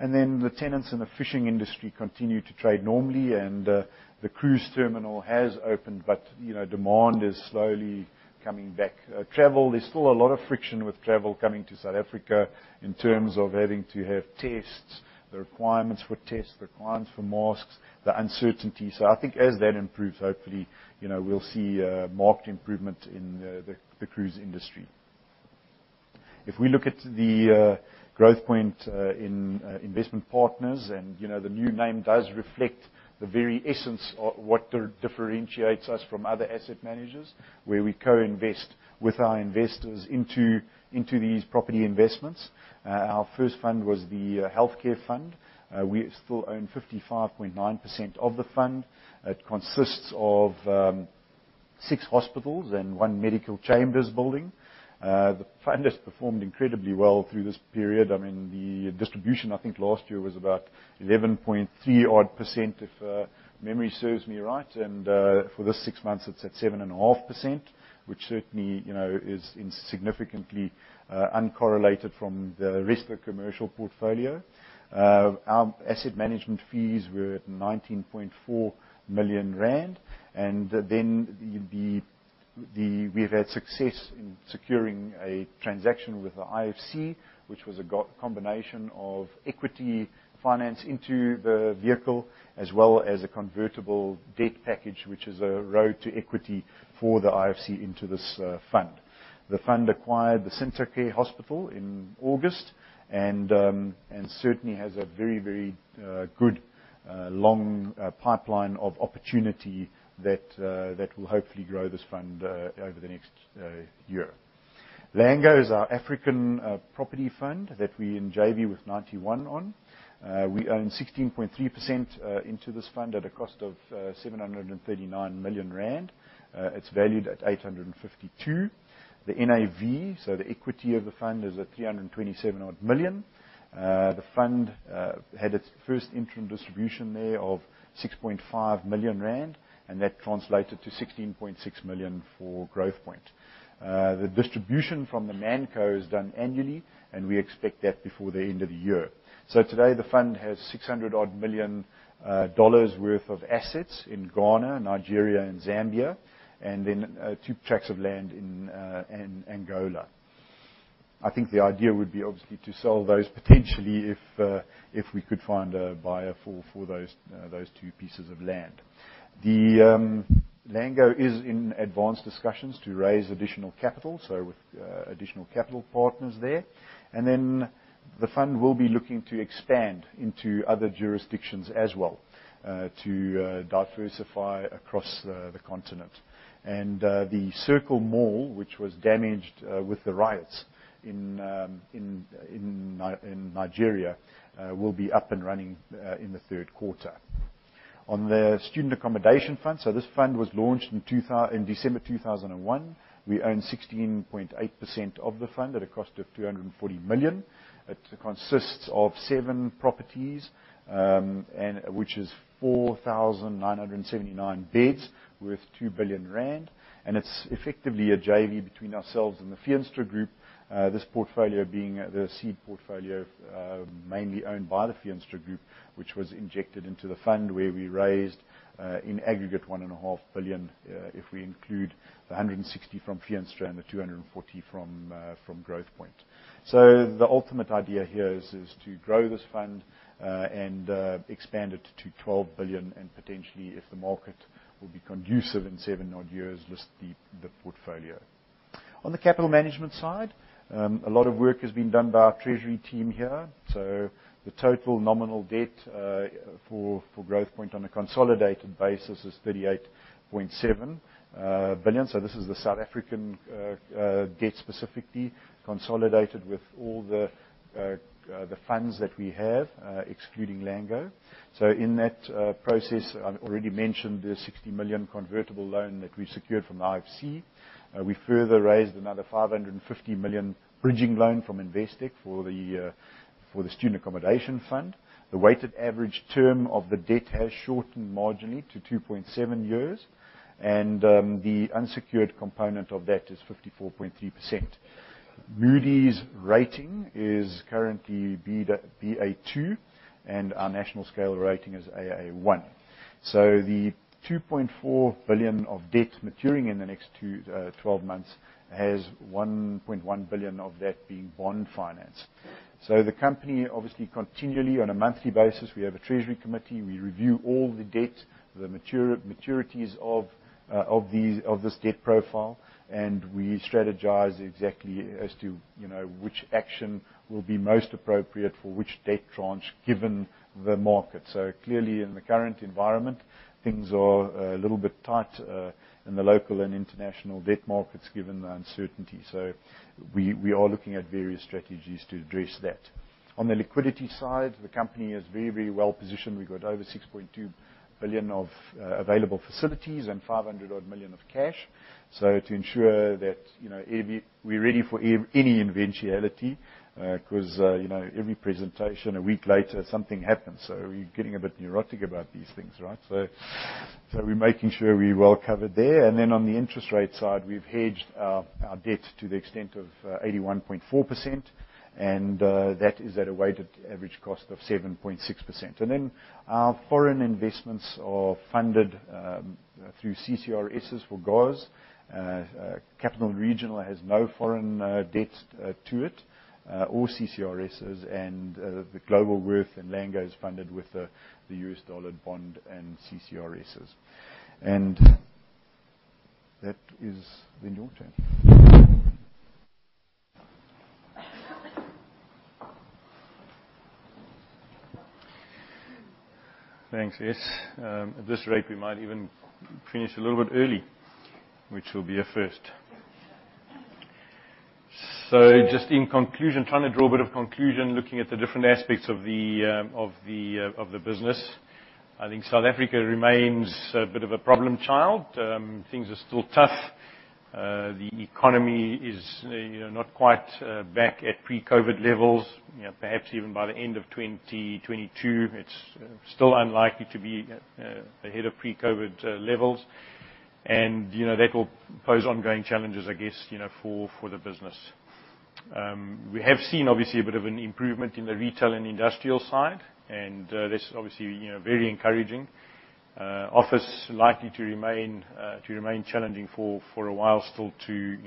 Then the tenants in the fishing industry continue to trade normally and the cruise terminal has opened, but you know, demand is slowly coming back. Travel, there's still a lot of friction with travel coming to South Africa in terms of having to have tests, the requirements for tests, requirements for masks, the uncertainty. I think as that improves, hopefully, you know, we'll see a marked improvement in the cruise industry. If we look at the Growthpoint Investment Partners, you know, the new name does reflect the very essence of what differentiates us from other asset managers, where we co-invest with our investors into these property investments. Our first fund was the healthcare fund. We still own 55.9% of the fund. It consists of six hospitals and one medical chambers building. The fund has performed incredibly well through this period. I mean, the distribution, I think, last year was about 11.3%, if memory serves me right. For this six months, it's at 7.5%, which certainly, you know, is significantly uncorrelated from the rest of the commercial portfolio. Our asset management fees were at 19.4 million rand. We've had success in securing a transaction with the IFC, which was a combination of equity finance into the vehicle, as well as a convertible debt package, which is a road to equity for the IFC into this fund. The fund acquired the Cintocare Hospital in August and certainly has a very good long pipeline of opportunity that will hopefully grow this fund over the next year. Lango is our African property fund that we in JV with Ninety One on. We own 16.3% into this fund at a cost of 739 million rand. It's valued at 852 million. The NAV, so the equity of the fund is at 327 odd million. The fund had its first interim distribution there of 6.5 million rand, and that translated to 16.6 million for Growthpoint. The distribution from the man co is done annually, and we expect that before the end of the year. Today, the fund has $600-odd million worth of assets in Ghana, Nigeria and Zambia, and then two tracts of land in Angola. I think the idea would be obviously to sell those potentially if we could find a buyer for those two pieces of land. The Lango is in advanced discussions to raise additional capital, so with additional capital partners there. The fund will be looking to expand into other jurisdictions as well to diversify across the continent. The Circle Mall, which was damaged with the riots in Nigeria, will be up and running in the third quarter. On the student accommodation fund. This fund was launched in December 2001. We own 16.8% of the fund at a cost of 240 million. It consists of seven properties, and which is 4,979 beds worth 2 billion rand. It's effectively a JV between ourselves and the Feenstra Group. This portfolio being the seed portfolio mainly owned by the Feenstra Group, which was injected into the fund where we raised in aggregate 1.5 billion, if we include the 160 million from Feenstra and the 240 million from Growthpoint. The ultimate idea here is to grow this fund and expand it to 12 billion, and potentially, if the market will be conducive in seven odd years, list the portfolio. On the capital management side, a lot of work has been done by our treasury team here. The total nominal debt for Growthpoint on a consolidated basis is 38.7 billion. This is the South African debt specifically consolidated with all the funds that we have, excluding Lango. In that process, I've already mentioned the 60 million convertible loan that we secured from the IFC. We further raised another 550 million bridging loan from Investec for the student accommodation fund. The weighted average term of the debt has shortened marginally to 2.7 years, and the unsecured component of that is 54.3%. Moody's rating is currently Ba2, and our national scale rating is Aa1. The 2.4 billion of debt maturing in the next twelve months has 1.1 billion of that being bond finance. The company obviously continually, on a monthly basis, we have a treasury committee. We review all the debt, the maturities of this debt profile, and we strategize exactly as to, you know, which action will be most appropriate for which debt tranche given the market. Clearly, in the current environment, things are a little bit tight in the local and international debt markets given the uncertainty. We are looking at various strategies to address that. On the liquidity side, the company is very, very well positioned. We've got over 6.2 billion of available facilities and 500 million of cash. To ensure that, you know, any... We're ready for any eventuality, 'cause, you know, every presentation, a week later, something happens. We're getting a bit neurotic about these things, right? We're making sure we're well covered there. On the interest rate side, we've hedged our debt to the extent of 81.4%, and that is at a weighted average cost of 7.6%. Our foreign investments are funded through CCIRS for GOZ. Capital & Regional has no foreign debt to it or CCIRS. The Globalworth and Lango is funded with the US dollar bond and CCIRS. That is then your turn. Thanks, Est. At this rate, we might even finish a little bit early, which will be a first. Just in conclusion, trying to draw a bit of conclusion, looking at the different aspects of the business. I think South Africa remains a bit of a problem child. Things are still tough. The economy is, you know, not quite back at pre-COVID levels. You know, perhaps even by the end of 2022, it's still unlikely to be ahead of pre-COVID levels. You know, that will pose ongoing challenges, I guess, you know, for the business. We have seen obviously a bit of an improvement in the retail and industrial side, and that's obviously, you know, very encouraging. Office likely to remain challenging for a while still to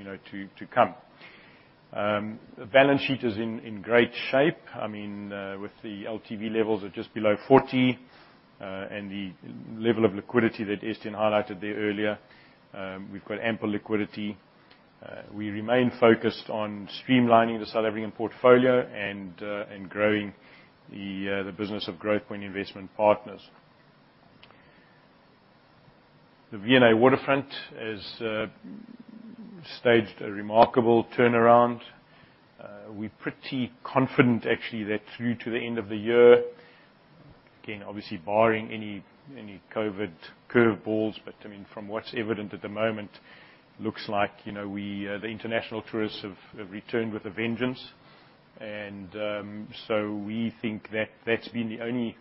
come. The balance sheet is in great shape. I mean, with the LTV levels at just below 40, and the level of liquidity that Estienne highlighted there earlier, we've got ample liquidity. We remain focused on streamlining the South African portfolio and growing the business of Growthpoint Investment Partners. The V&A Waterfront has staged a remarkable turnaround. We're pretty confident actually that through to the end of the year, again, obviously barring any COVID curveballs, but I mean, from what's evident at the moment, looks like, you know, the international tourists have returned with a vengeance. We think that that's been the only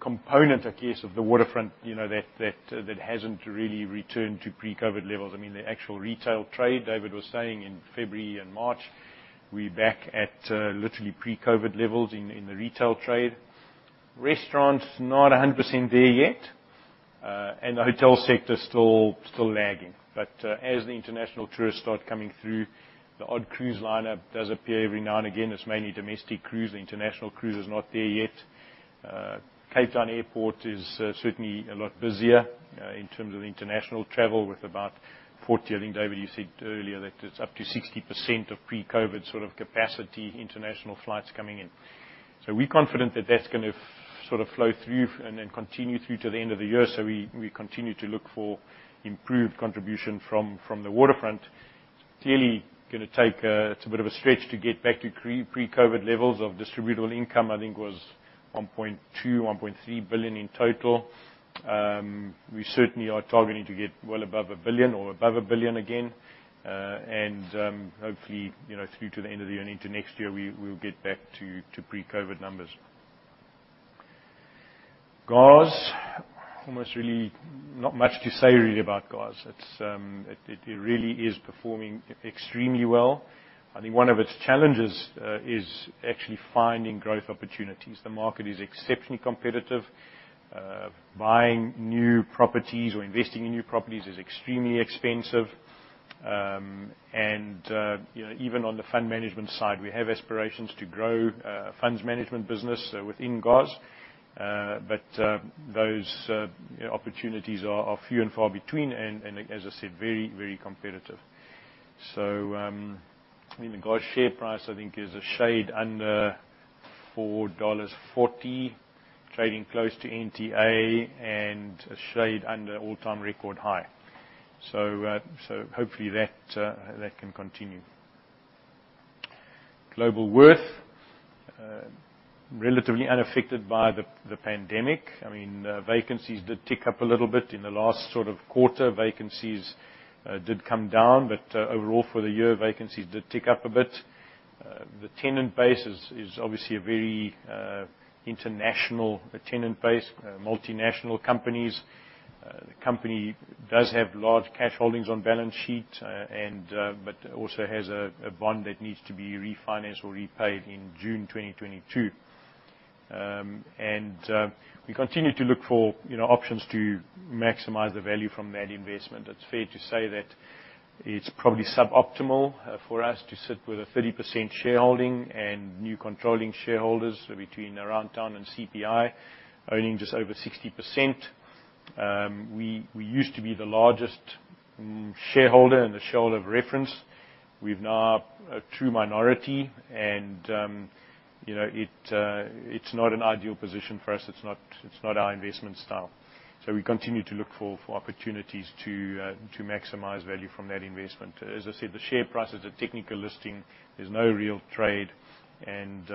component, I guess, of the waterfront, you know, that hasn't really returned to pre-COVID levels. I mean, the actual retail trade, David was saying in February and March, we're back at literally pre-COVID levels in the retail trade. Restaurants, not 100% there yet. The hotel sector is still lagging. As the international tourists start coming through, the odd cruise liner does appear every now and again. It's mainly domestic cruise. International cruise is not there yet. Cape Town Airport is certainly a lot busier in terms of international travel with about 40%. I think, David, you said earlier that it's up to 60% of pre-COVID sort of capacity, international flights coming in. We're confident that that's gonna sort of flow through and then continue through to the end of the year. We continue to look for improved contribution from the Waterfront. Clearly, it's gonna take a bit of a stretch to get back to pre-COVID levels of distributable income. I think it was 1.2 billion-1.3 billion in total. We certainly are targeting to get well above 1 billion or above 1 billion again, and hopefully, you know, through to the end of the year and into next year, we'll get back to pre-COVID numbers. Growthpoint, almost really not much to say really about Growthpoint. It really is performing extremely well. I think one of its challenges is actually finding growth opportunities. The market is exceptionally competitive. Buying new properties or investing in new properties is extremely expensive. You know, even on the fund management side, we have aspirations to grow funds management business within Growthpoint. Those opportunities are few and far between, and as I said, very, very competitive. I mean, the SARS share price, I think, is a shade under $4.40, trading close to NTA and a shade under all-time record high. Hopefully that can continue. Globalworth, relatively unaffected by the pandemic. I mean, vacancies did tick up a little bit. In the last sort of quarter, vacancies did come down, but overall for the year, vacancies did tick up a bit. The tenant base is obviously a very international tenant base, multinational companies. The company does have large cash holdings on balance sheet, and but also has a bond that needs to be refinanced or repaid in June 2022. We continue to look for, you know, options to maximize the value from that investment. It's fair to say that it's probably suboptimal for us to sit with a 30% shareholding and new controlling shareholders between Aroundtown and CPI owning just over 60%. We used to be the largest shareholder and the shareholder of reference. We're now a true minority, and you know, it's not an ideal position for us. It's not our investment style. We continue to look for opportunities to maximize value from that investment. As I said, the share price is a technical listing. There's no real trade, and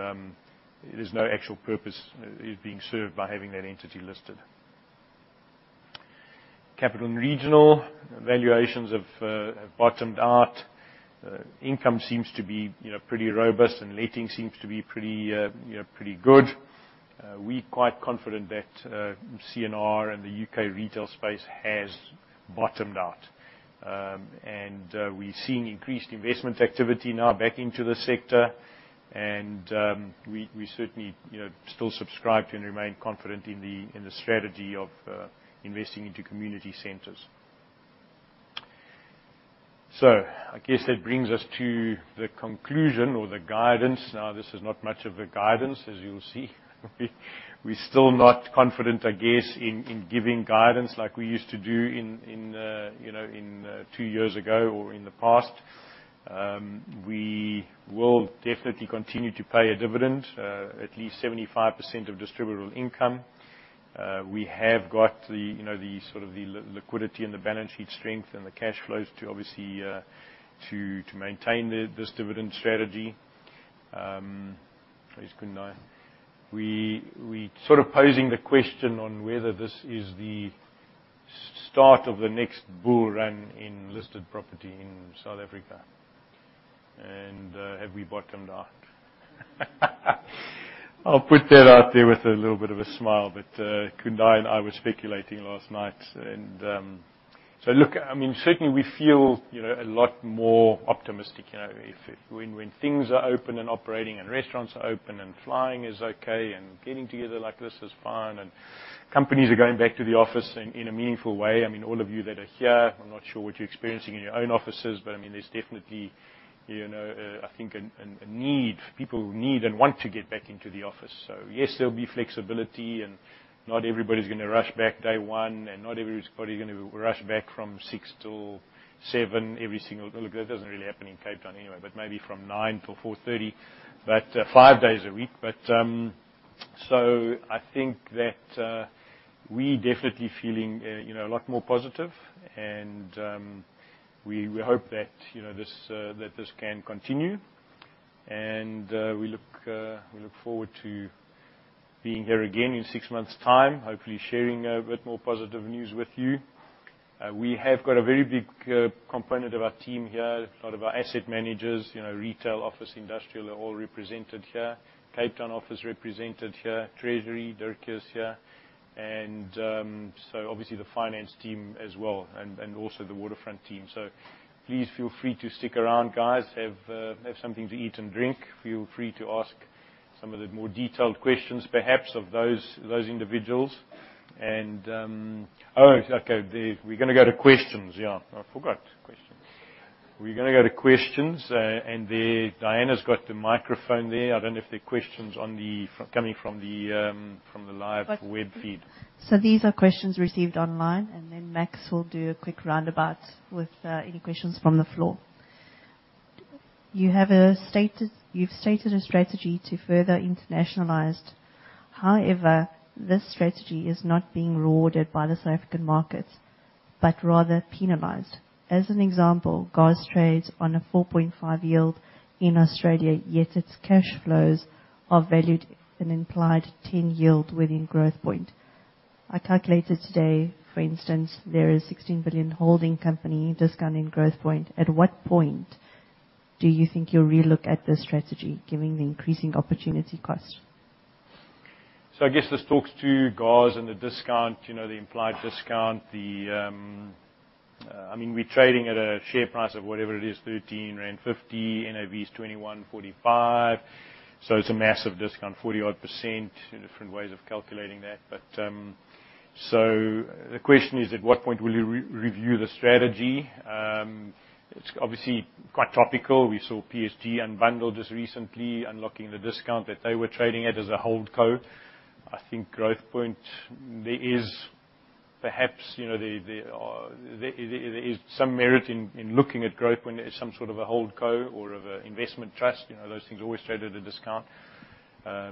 there's no actual purpose is being served by having that entity listed. Capital & Regional valuations have bottomed out. Income seems to be you know pretty robust, and letting seems to be pretty you know pretty good. We're quite confident that C&R and the U.K. retail space has bottomed out. We're seeing increased investment activity now back into the sector. We certainly, you know, still subscribe and remain confident in the strategy of investing into community centers. I guess that brings us to the conclusion or the guidance. Now, this is not much of a guidance, as you'll see. We're still not confident, I guess, in giving guidance like we used to do in, you know, two years ago or in the past. We will definitely continue to pay a dividend at least 75% of distributable income. We have got the, you know, the sort of the liquidity and the balance sheet strength and the cash flows to obviously to maintain this dividend strategy. Where's Kundai? We sort of posing the question on whether this is the start of the next bull run in listed property in South Africa and have we bottomed out? I'll put that out there with a little bit of a smile, but Kundai and I were speculating last night. Look, I mean, certainly we feel, you know, a lot more optimistic, you know. When things are open and operating and restaurants are open and flying is okay and getting together like this is fine and companies are going back to the office in a meaningful way. I mean, all of you that are here, I'm not sure what you're experiencing in your own offices, but I mean, there's definitely, you know, I think a need. People who need and want to get back into the office. Yes, there'll be flexibility, and not everybody's gonna rush back day one, and not everybody's probably gonna rush back from six till seven. Well, look, that doesn't really happen in Cape Town anyway, but maybe from nine till 4:30, five days a week. I think that we definitely feeling, you know, a lot more positive and we hope that, you know, that this can continue. We look forward to being here again in six months' time, hopefully sharing a bit more positive news with you. We have got a very big component of our team here, a lot of our asset managers, you know, retail, office, industrial, are all represented here. Cape Town office represented here. Treasury, Dirk is here. Obviously the finance team as well, and also the Waterfront team. Please feel free to stick around, guys. Have something to eat and drink. Feel free to ask some of the more detailed questions, perhaps, of those individuals. We're gonna go to questions. Yeah, I forgot questions. We're gonna go to questions, and there... Diana's got the microphone there. I don't know if there are questions from coming from the live web feed. These are questions received online, and then Max will do a quick roundabout with any questions from the floor. You've stated a strategy to further internationalize. However, this strategy is not being rewarded by the South African markets, but rather penalized. As an example, GOZ's trades on a 4.5 yield in Australia, yet its cash flows are valued an implied 10 yield within Growthpoint. I calculated today, for instance, there is 16 billion holding company discount in Growthpoint. At what point do you think you'll relook at this strategy, given the increasing opportunity cost? I guess this talks to GOZ and the discount, you know, the implied discount. The, I mean, we're trading at a share price of whatever it is, 13.50 rand. NAV is 21.45. It's a massive discount, 40-odd%, different ways of calculating that. But the question is, at what point will you re-review the strategy? It's obviously quite topical. We saw PSG unbundle just recently, unlocking the discount that they were trading at as a holdco. I think Growthpoint, there is perhaps, you know, there is some merit in looking at Growthpoint as some sort of a holdco or of an investment trust. You know, those things always trade at a discount.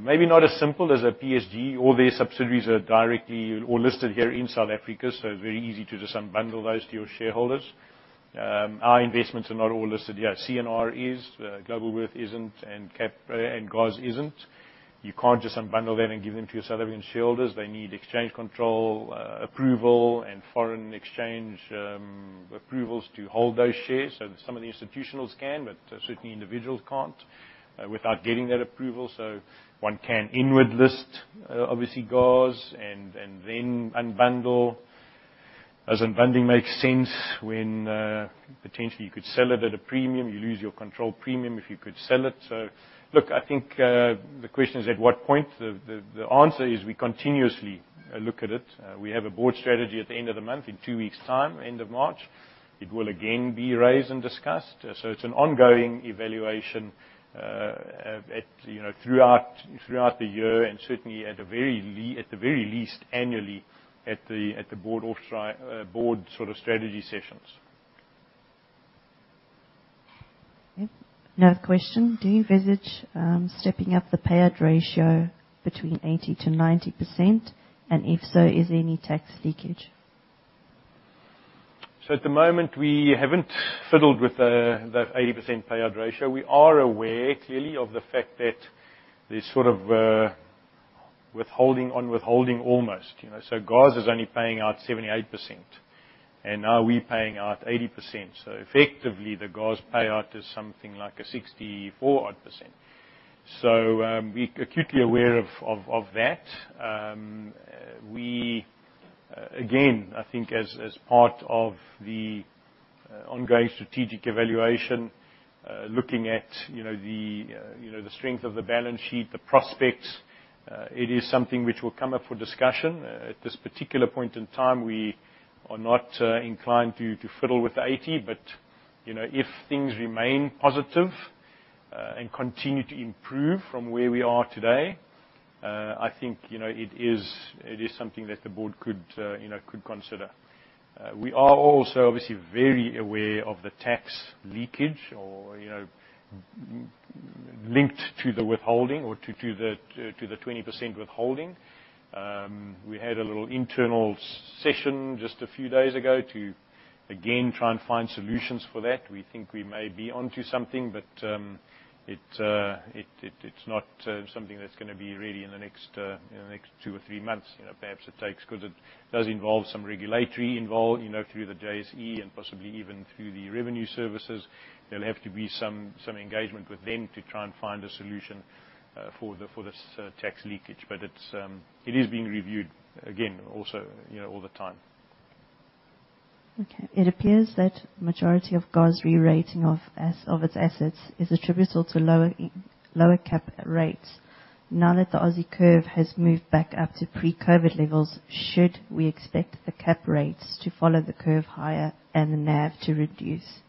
Maybe not as simple as a PSG. All their subsidiaries are all directly listed here in South Africa, so it's very easy to just unbundle those to your shareholders. Our investments are not all listed yet. CNA is, Globalworth isn't, and CapReg and GOZ isn't. You can't just unbundle them and give them to your South African shareholders. They need exchange control approval and foreign exchange approvals to hold those shares. Some of the institutionals can, but certainly individuals can't without getting that approval. One can inward list, obviously, GOZ and then unbundle, as unbundling makes sense when potentially you could sell it at a premium. You lose your control premium if you could sell it. Look, I think the question is at what point. The answer is we continuously look at it. We have a board strategy at the end of the month, in two weeks' time, end of March. It will again be raised and discussed. It's an ongoing evaluation, you know, throughout the year, and certainly at the very least annually at the board sort of strategy sessions. Okay. Another question. Do you envisage stepping up the payout ratio between 80%-90%? And if so, is there any tax leakage? At the moment, we haven't fiddled with that 80% payout ratio. We are aware, clearly, of the fact that there's sort of a withholding on withholding almost, you know. GOZ is only paying out 78%, and now we're paying out 80%. Effectively, the GOZ payout is something like a 64-odd%. We're acutely aware of that. We again, I think as part of the ongoing strategic evaluation, looking at, you know, the strength of the balance sheet, the prospects, it is something which will come up for discussion. At this particular point in time, we are not inclined to fiddle with the 80. You know, if things remain positive and continue to improve from where we are today, I think, you know, it is something that the board could, you know, could consider. We are also obviously very aware of the tax leakage or, you know, linked to the withholding or to the 20% withholding. We had a little internal session just a few days ago to again try and find solutions for that. We think we may be onto something, but it is not something that's gonna be ready in the next, you know, the next two or three months. You know, perhaps it takes 'cause it does involve some regulatory involvement, you know, through the JSE and possibly even through the revenue services. There'll have to be some engagement with them to try and find a solution for this tax leakage. But it is being reviewed again also, you know, all the time. Okay. It appears that majority of GOZ's rerating of its assets is attributable to lower cap rates. Now that the Aussie curve has moved back up to pre-COVID levels, should we expect the cap rates to follow the curve higher and the NAV to reduce?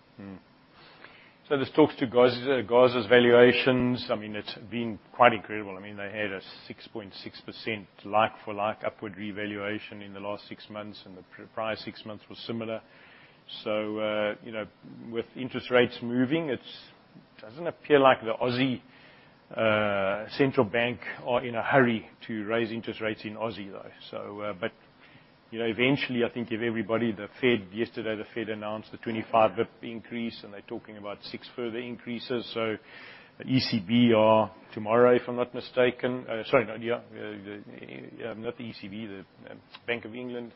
This talks to GOZ's valuations. I mean, it's been quite incredible. I mean, they had a 6.6% like-for-like upward revaluation in the last six months, and the prior six months was similar. You know, with interest rates moving, it doesn't appear like the Aussie central bank are in a hurry to raise interest rates in Aussie, though. You know, eventually, I think if everybody, the Fed yesterday the Fed announced the 25 basis point increase, and they're talking about six further increases. ECB are tomorrow, if I'm not mistaken. Sorry, not yeah. Not the ECB, the Bank of England.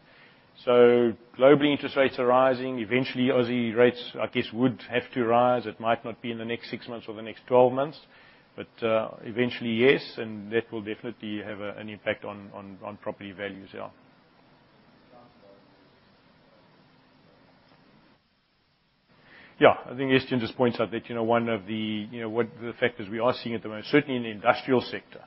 Globally, interest rates are rising. Eventually, Aussie rates, I guess, would have to rise. It might not be in the next six months or the next twelve months, but eventually, yes. That will definitely have an impact on property values, yeah. Yeah. I think Ashton just points out that, you know, one of the, you know, what the factors we are seeing at the moment, certainly in the industrial sector,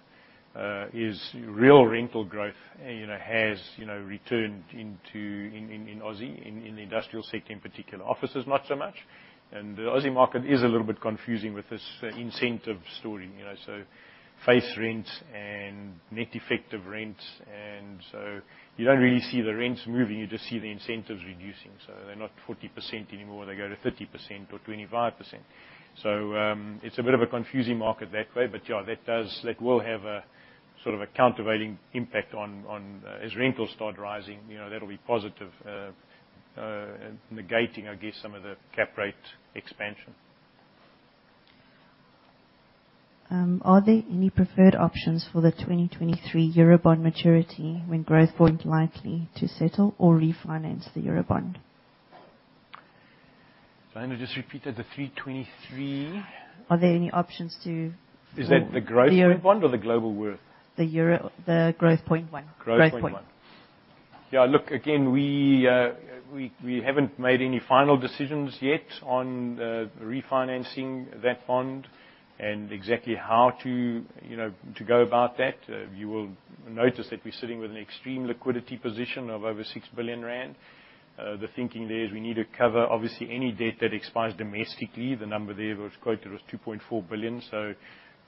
is real rental growth, you know, has returned in the Aussie industrial sector in particular. Office is not so much. The Aussie market is a little bit confusing with this incentive story. You know, face rents and net effective rents and so you don't really see the rents moving, you just see the incentives reducing. They're not 40% anymore, they go to 30% or 25%. It's a bit of a confusing market that way. Yeah, that will have a sort of countervailing impact. As rentals start rising, you know, that'll be positive, negating I guess some of the cap rate expansion. Are there any preferred options for the 2023 Eurobond maturity when Growthpoint likely to settle or refinance the Eurobond? I'm gonna just repeat it, the 323? Are there any options? Is that the Growthpoint bond or the Globalworth? The Growthpoint one. Growthpoint 1. Growthpoint. Yeah. Look, again, we haven't made any final decisions yet on refinancing that bond and exactly how to, you know, go about that. You will notice that we're sitting with an extreme liquidity position of over 6 billion rand. The thinking there is we need to cover obviously any debt that expires domestically. The number there that was quoted was 2.4 billion.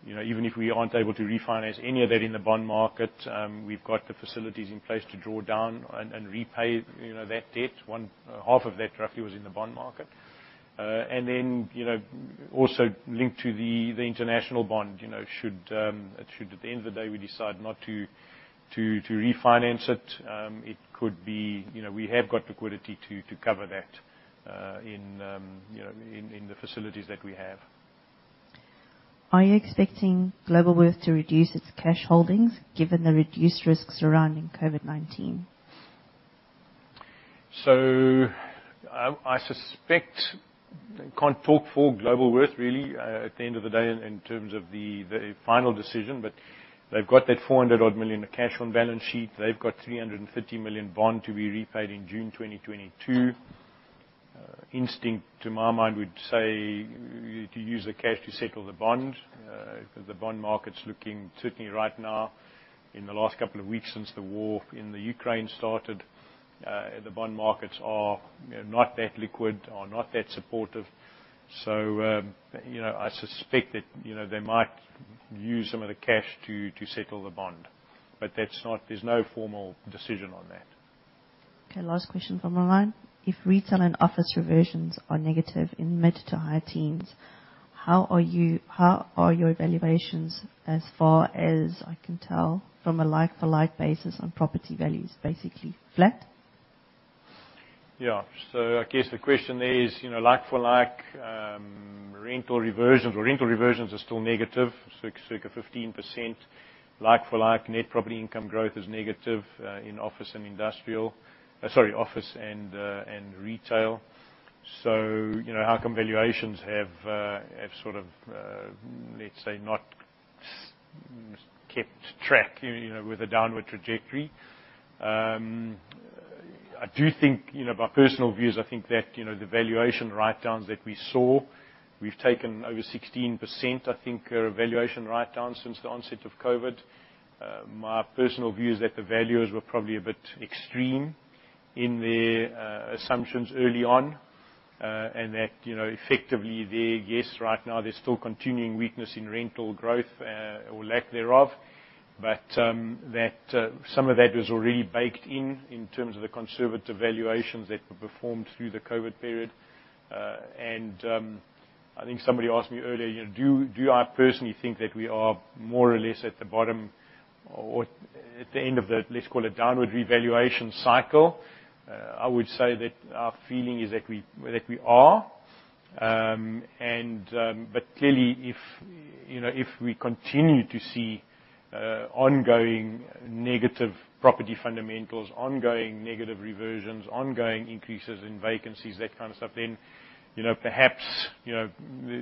You know, even if we aren't able to refinance any of that in the bond market, we've got the facilities in place to draw down and repay, you know, that debt. Half of that roughly was in the bond market. You know, also linked to the international bond. You know, should we at the end of the day decide not to refinance it could be you know we have got liquidity to cover that in the facilities that we have. Are you expecting Globalworth to reduce its cash holdings given the reduced risks surrounding COVID-19? I suspect. Can't talk for Globalworth really, at the end of the day in terms of the final decision, but they've got that 400-odd million of cash on balance sheet. They've got 350 million bond to be repaid in June 2022. Instinct to my mind would say to use the cash to settle the bond, because the bond market's looking, certainly right now in the last couple of weeks since the war in Ukraine started, the bond markets are, you know, not that liquid or not that supportive. I suspect that, you know, they might use some of the cash to settle the bond. But that's not. There's no formal decision on that. Okay, last question from the line. If retail and office reversions are negative in mid- to high-teens%, how are your valuations as far as I can tell from a like-for-like basis on property values, basically flat? Yeah. I guess the question there is, you know, like for like rental reversions. Rental reversions are still negative 6% -- like a 15%. Like for like, net property income growth is negative in office and retail. You know, how come valuations have sort of, let's say, not kept track, you know, with a downward trajectory. I do think. You know, my personal view is I think that, you know, the valuation write-downs that we saw, we've taken over 16%, I think, valuation write-down since the onset of COVID. My personal view is that the valuers were probably a bit extreme in their assumptions early on, and that, you know, effectively, their guess right now, there's still continuing weakness in rental growth or lack thereof. Some of that was already baked in in terms of the conservative valuations that were performed through the COVID period. I think somebody asked me earlier, you know, do I personally think that we are more or less at the bottom or at the end of the, let's call it downward revaluation cycle? I would say that our feeling is that we are. Clearly if, you know, if we continue to see ongoing negative property fundamentals, ongoing negative reversions, ongoing increases in vacancies, that kind of stuff, then, you know, perhaps, you know,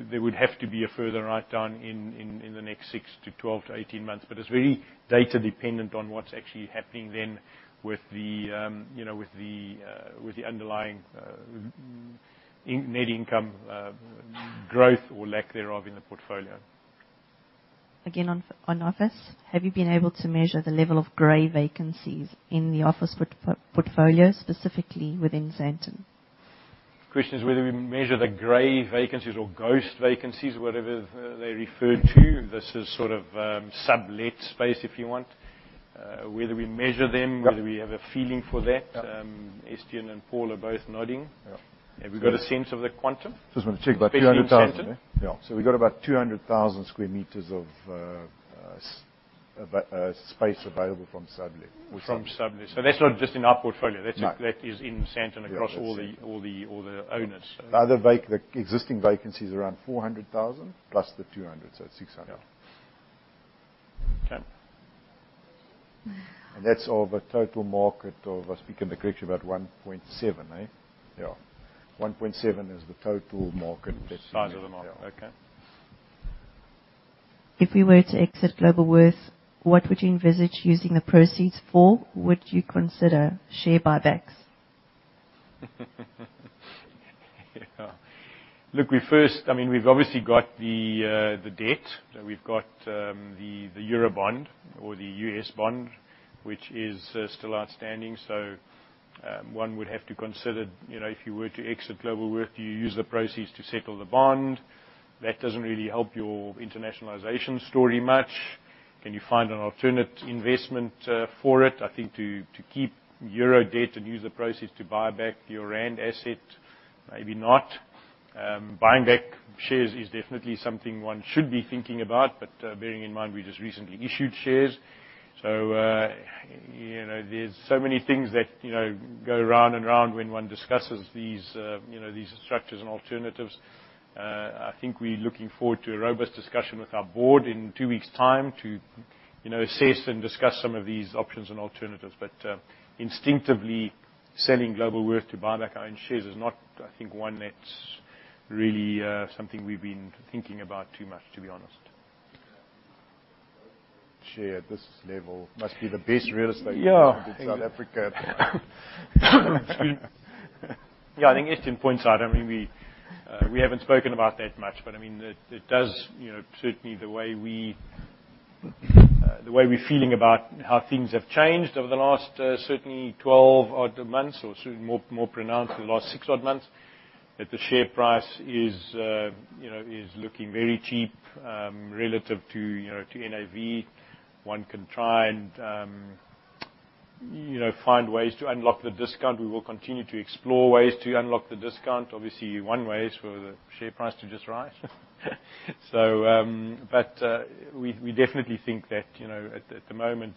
there would have to be a further write-down in the next six to 12 to 18 months. It's very data dependent on what's actually happening then with the, you know, underlying net income growth or lack thereof in the portfolio. Again, on office, have you been able to measure the level of gray vacancy in the office portfolio, specifically within Sandton? Question is whether we measure the gray vacancy or ghost vacancy, whatever they referred to. This is sort of sublet space, if you want. Whether we measure them. Yeah. Whether we have a feeling for that. Yeah. Estienne and Paul are both nodding. Yeah. Have we got a sense of the quantum? Just want to check, 200,000, hey? Especially in Sandton. We got about 200,000 sq m of space available from sublet. From sublet. That's not just in our portfolio. No. That is in Sandton across all the Yeah, that's Sandton. All the owners. The existing vacancy is around 400,000 plus the 200, so it's 600. Yeah. Okay. that's of a total market of, if I speak in the correct, about 1.7, hey? Yeah. 1.7 is the total market that's in- Size of the market. Yeah. Okay. If we were to exit Globalworth, what would you envisage using the proceeds for? Would you consider share buybacks? Look, I mean, we've obviously got the debt. We've got the Eurobond or the US bond, which is still outstanding. So, one would have to consider, you know, if you were to exit Globalworth, do you use the proceeds to settle the bond? That doesn't really help your internationalization story much. Can you find an alternate investment for it, I think to keep euro debt and use the proceeds to buy back your rand asset? Maybe not. Buying back shares is definitely something one should be thinking about, but bearing in mind, we just recently issued shares. So, you know, there's so many things that, you know, go round and round when one discusses these, you know, these structures and alternatives. I think we're looking forward to a robust discussion with our board in two weeks' time to, you know, assess and discuss some of these options and alternatives. Instinctively, selling Globalworth to buy back our own shares is not, I think, one that's really something we've been thinking about too much, to be honest. Share this level. Must be the best real estate- Yeah. in South Africa. Yeah, I think Ashton points out. I mean, we haven't spoken about that much, but I mean, it does, you know, certainly the way we're feeling about how things have changed over the last 12 odd months or so, more pronounced in the last 6 odd months, that the share price is, you know, looking very cheap relative to, you know, NAV. One can try and find ways to unlock the discount. We will continue to explore ways to unlock the discount. Obviously, one way is for the share price to just rise. We definitely think that you know at the moment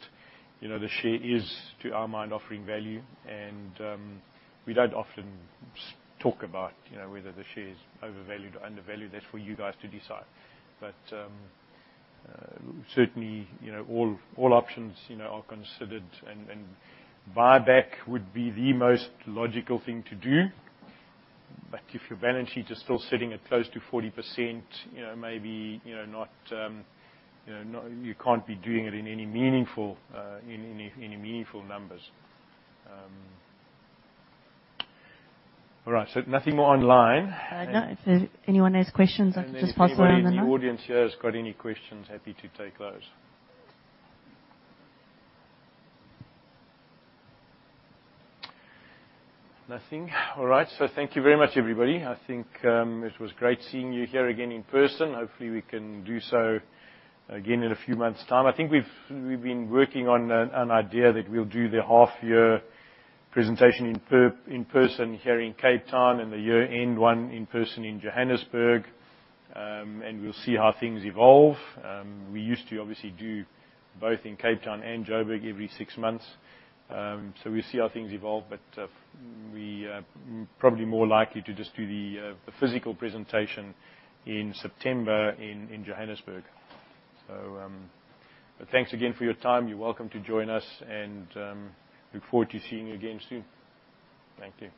you know the share is to our mind offering value and we don't often talk about you know whether the share is overvalued or undervalued. That's for you guys to decide. Certainly you know all options you know are considered and buyback would be the most logical thing to do. If your balance sheet is still sitting at close to 40% maybe not. You can't be doing it in any meaningful numbers. All right. Nothing more online. No. If anyone has questions, I can just pass the word on now. Anybody in the audience here has got any questions, happy to take those. Nothing? All right. Thank you very much, everybody. I think it was great seeing you here again in person. Hopefully we can do so again in a few months' time. I think we've been working on an idea that we'll do the half year presentation in person here in Cape Town and the year-end one in person in Johannesburg, and we'll see how things evolve. We used to obviously do both in Cape Town and Joburg every six months. We'll see how things evolve. We are probably more likely to just do the physical presentation in September in Johannesburg. Thanks again for your time. You're welcome to join us and look forward to seeing you again soon. Thank you.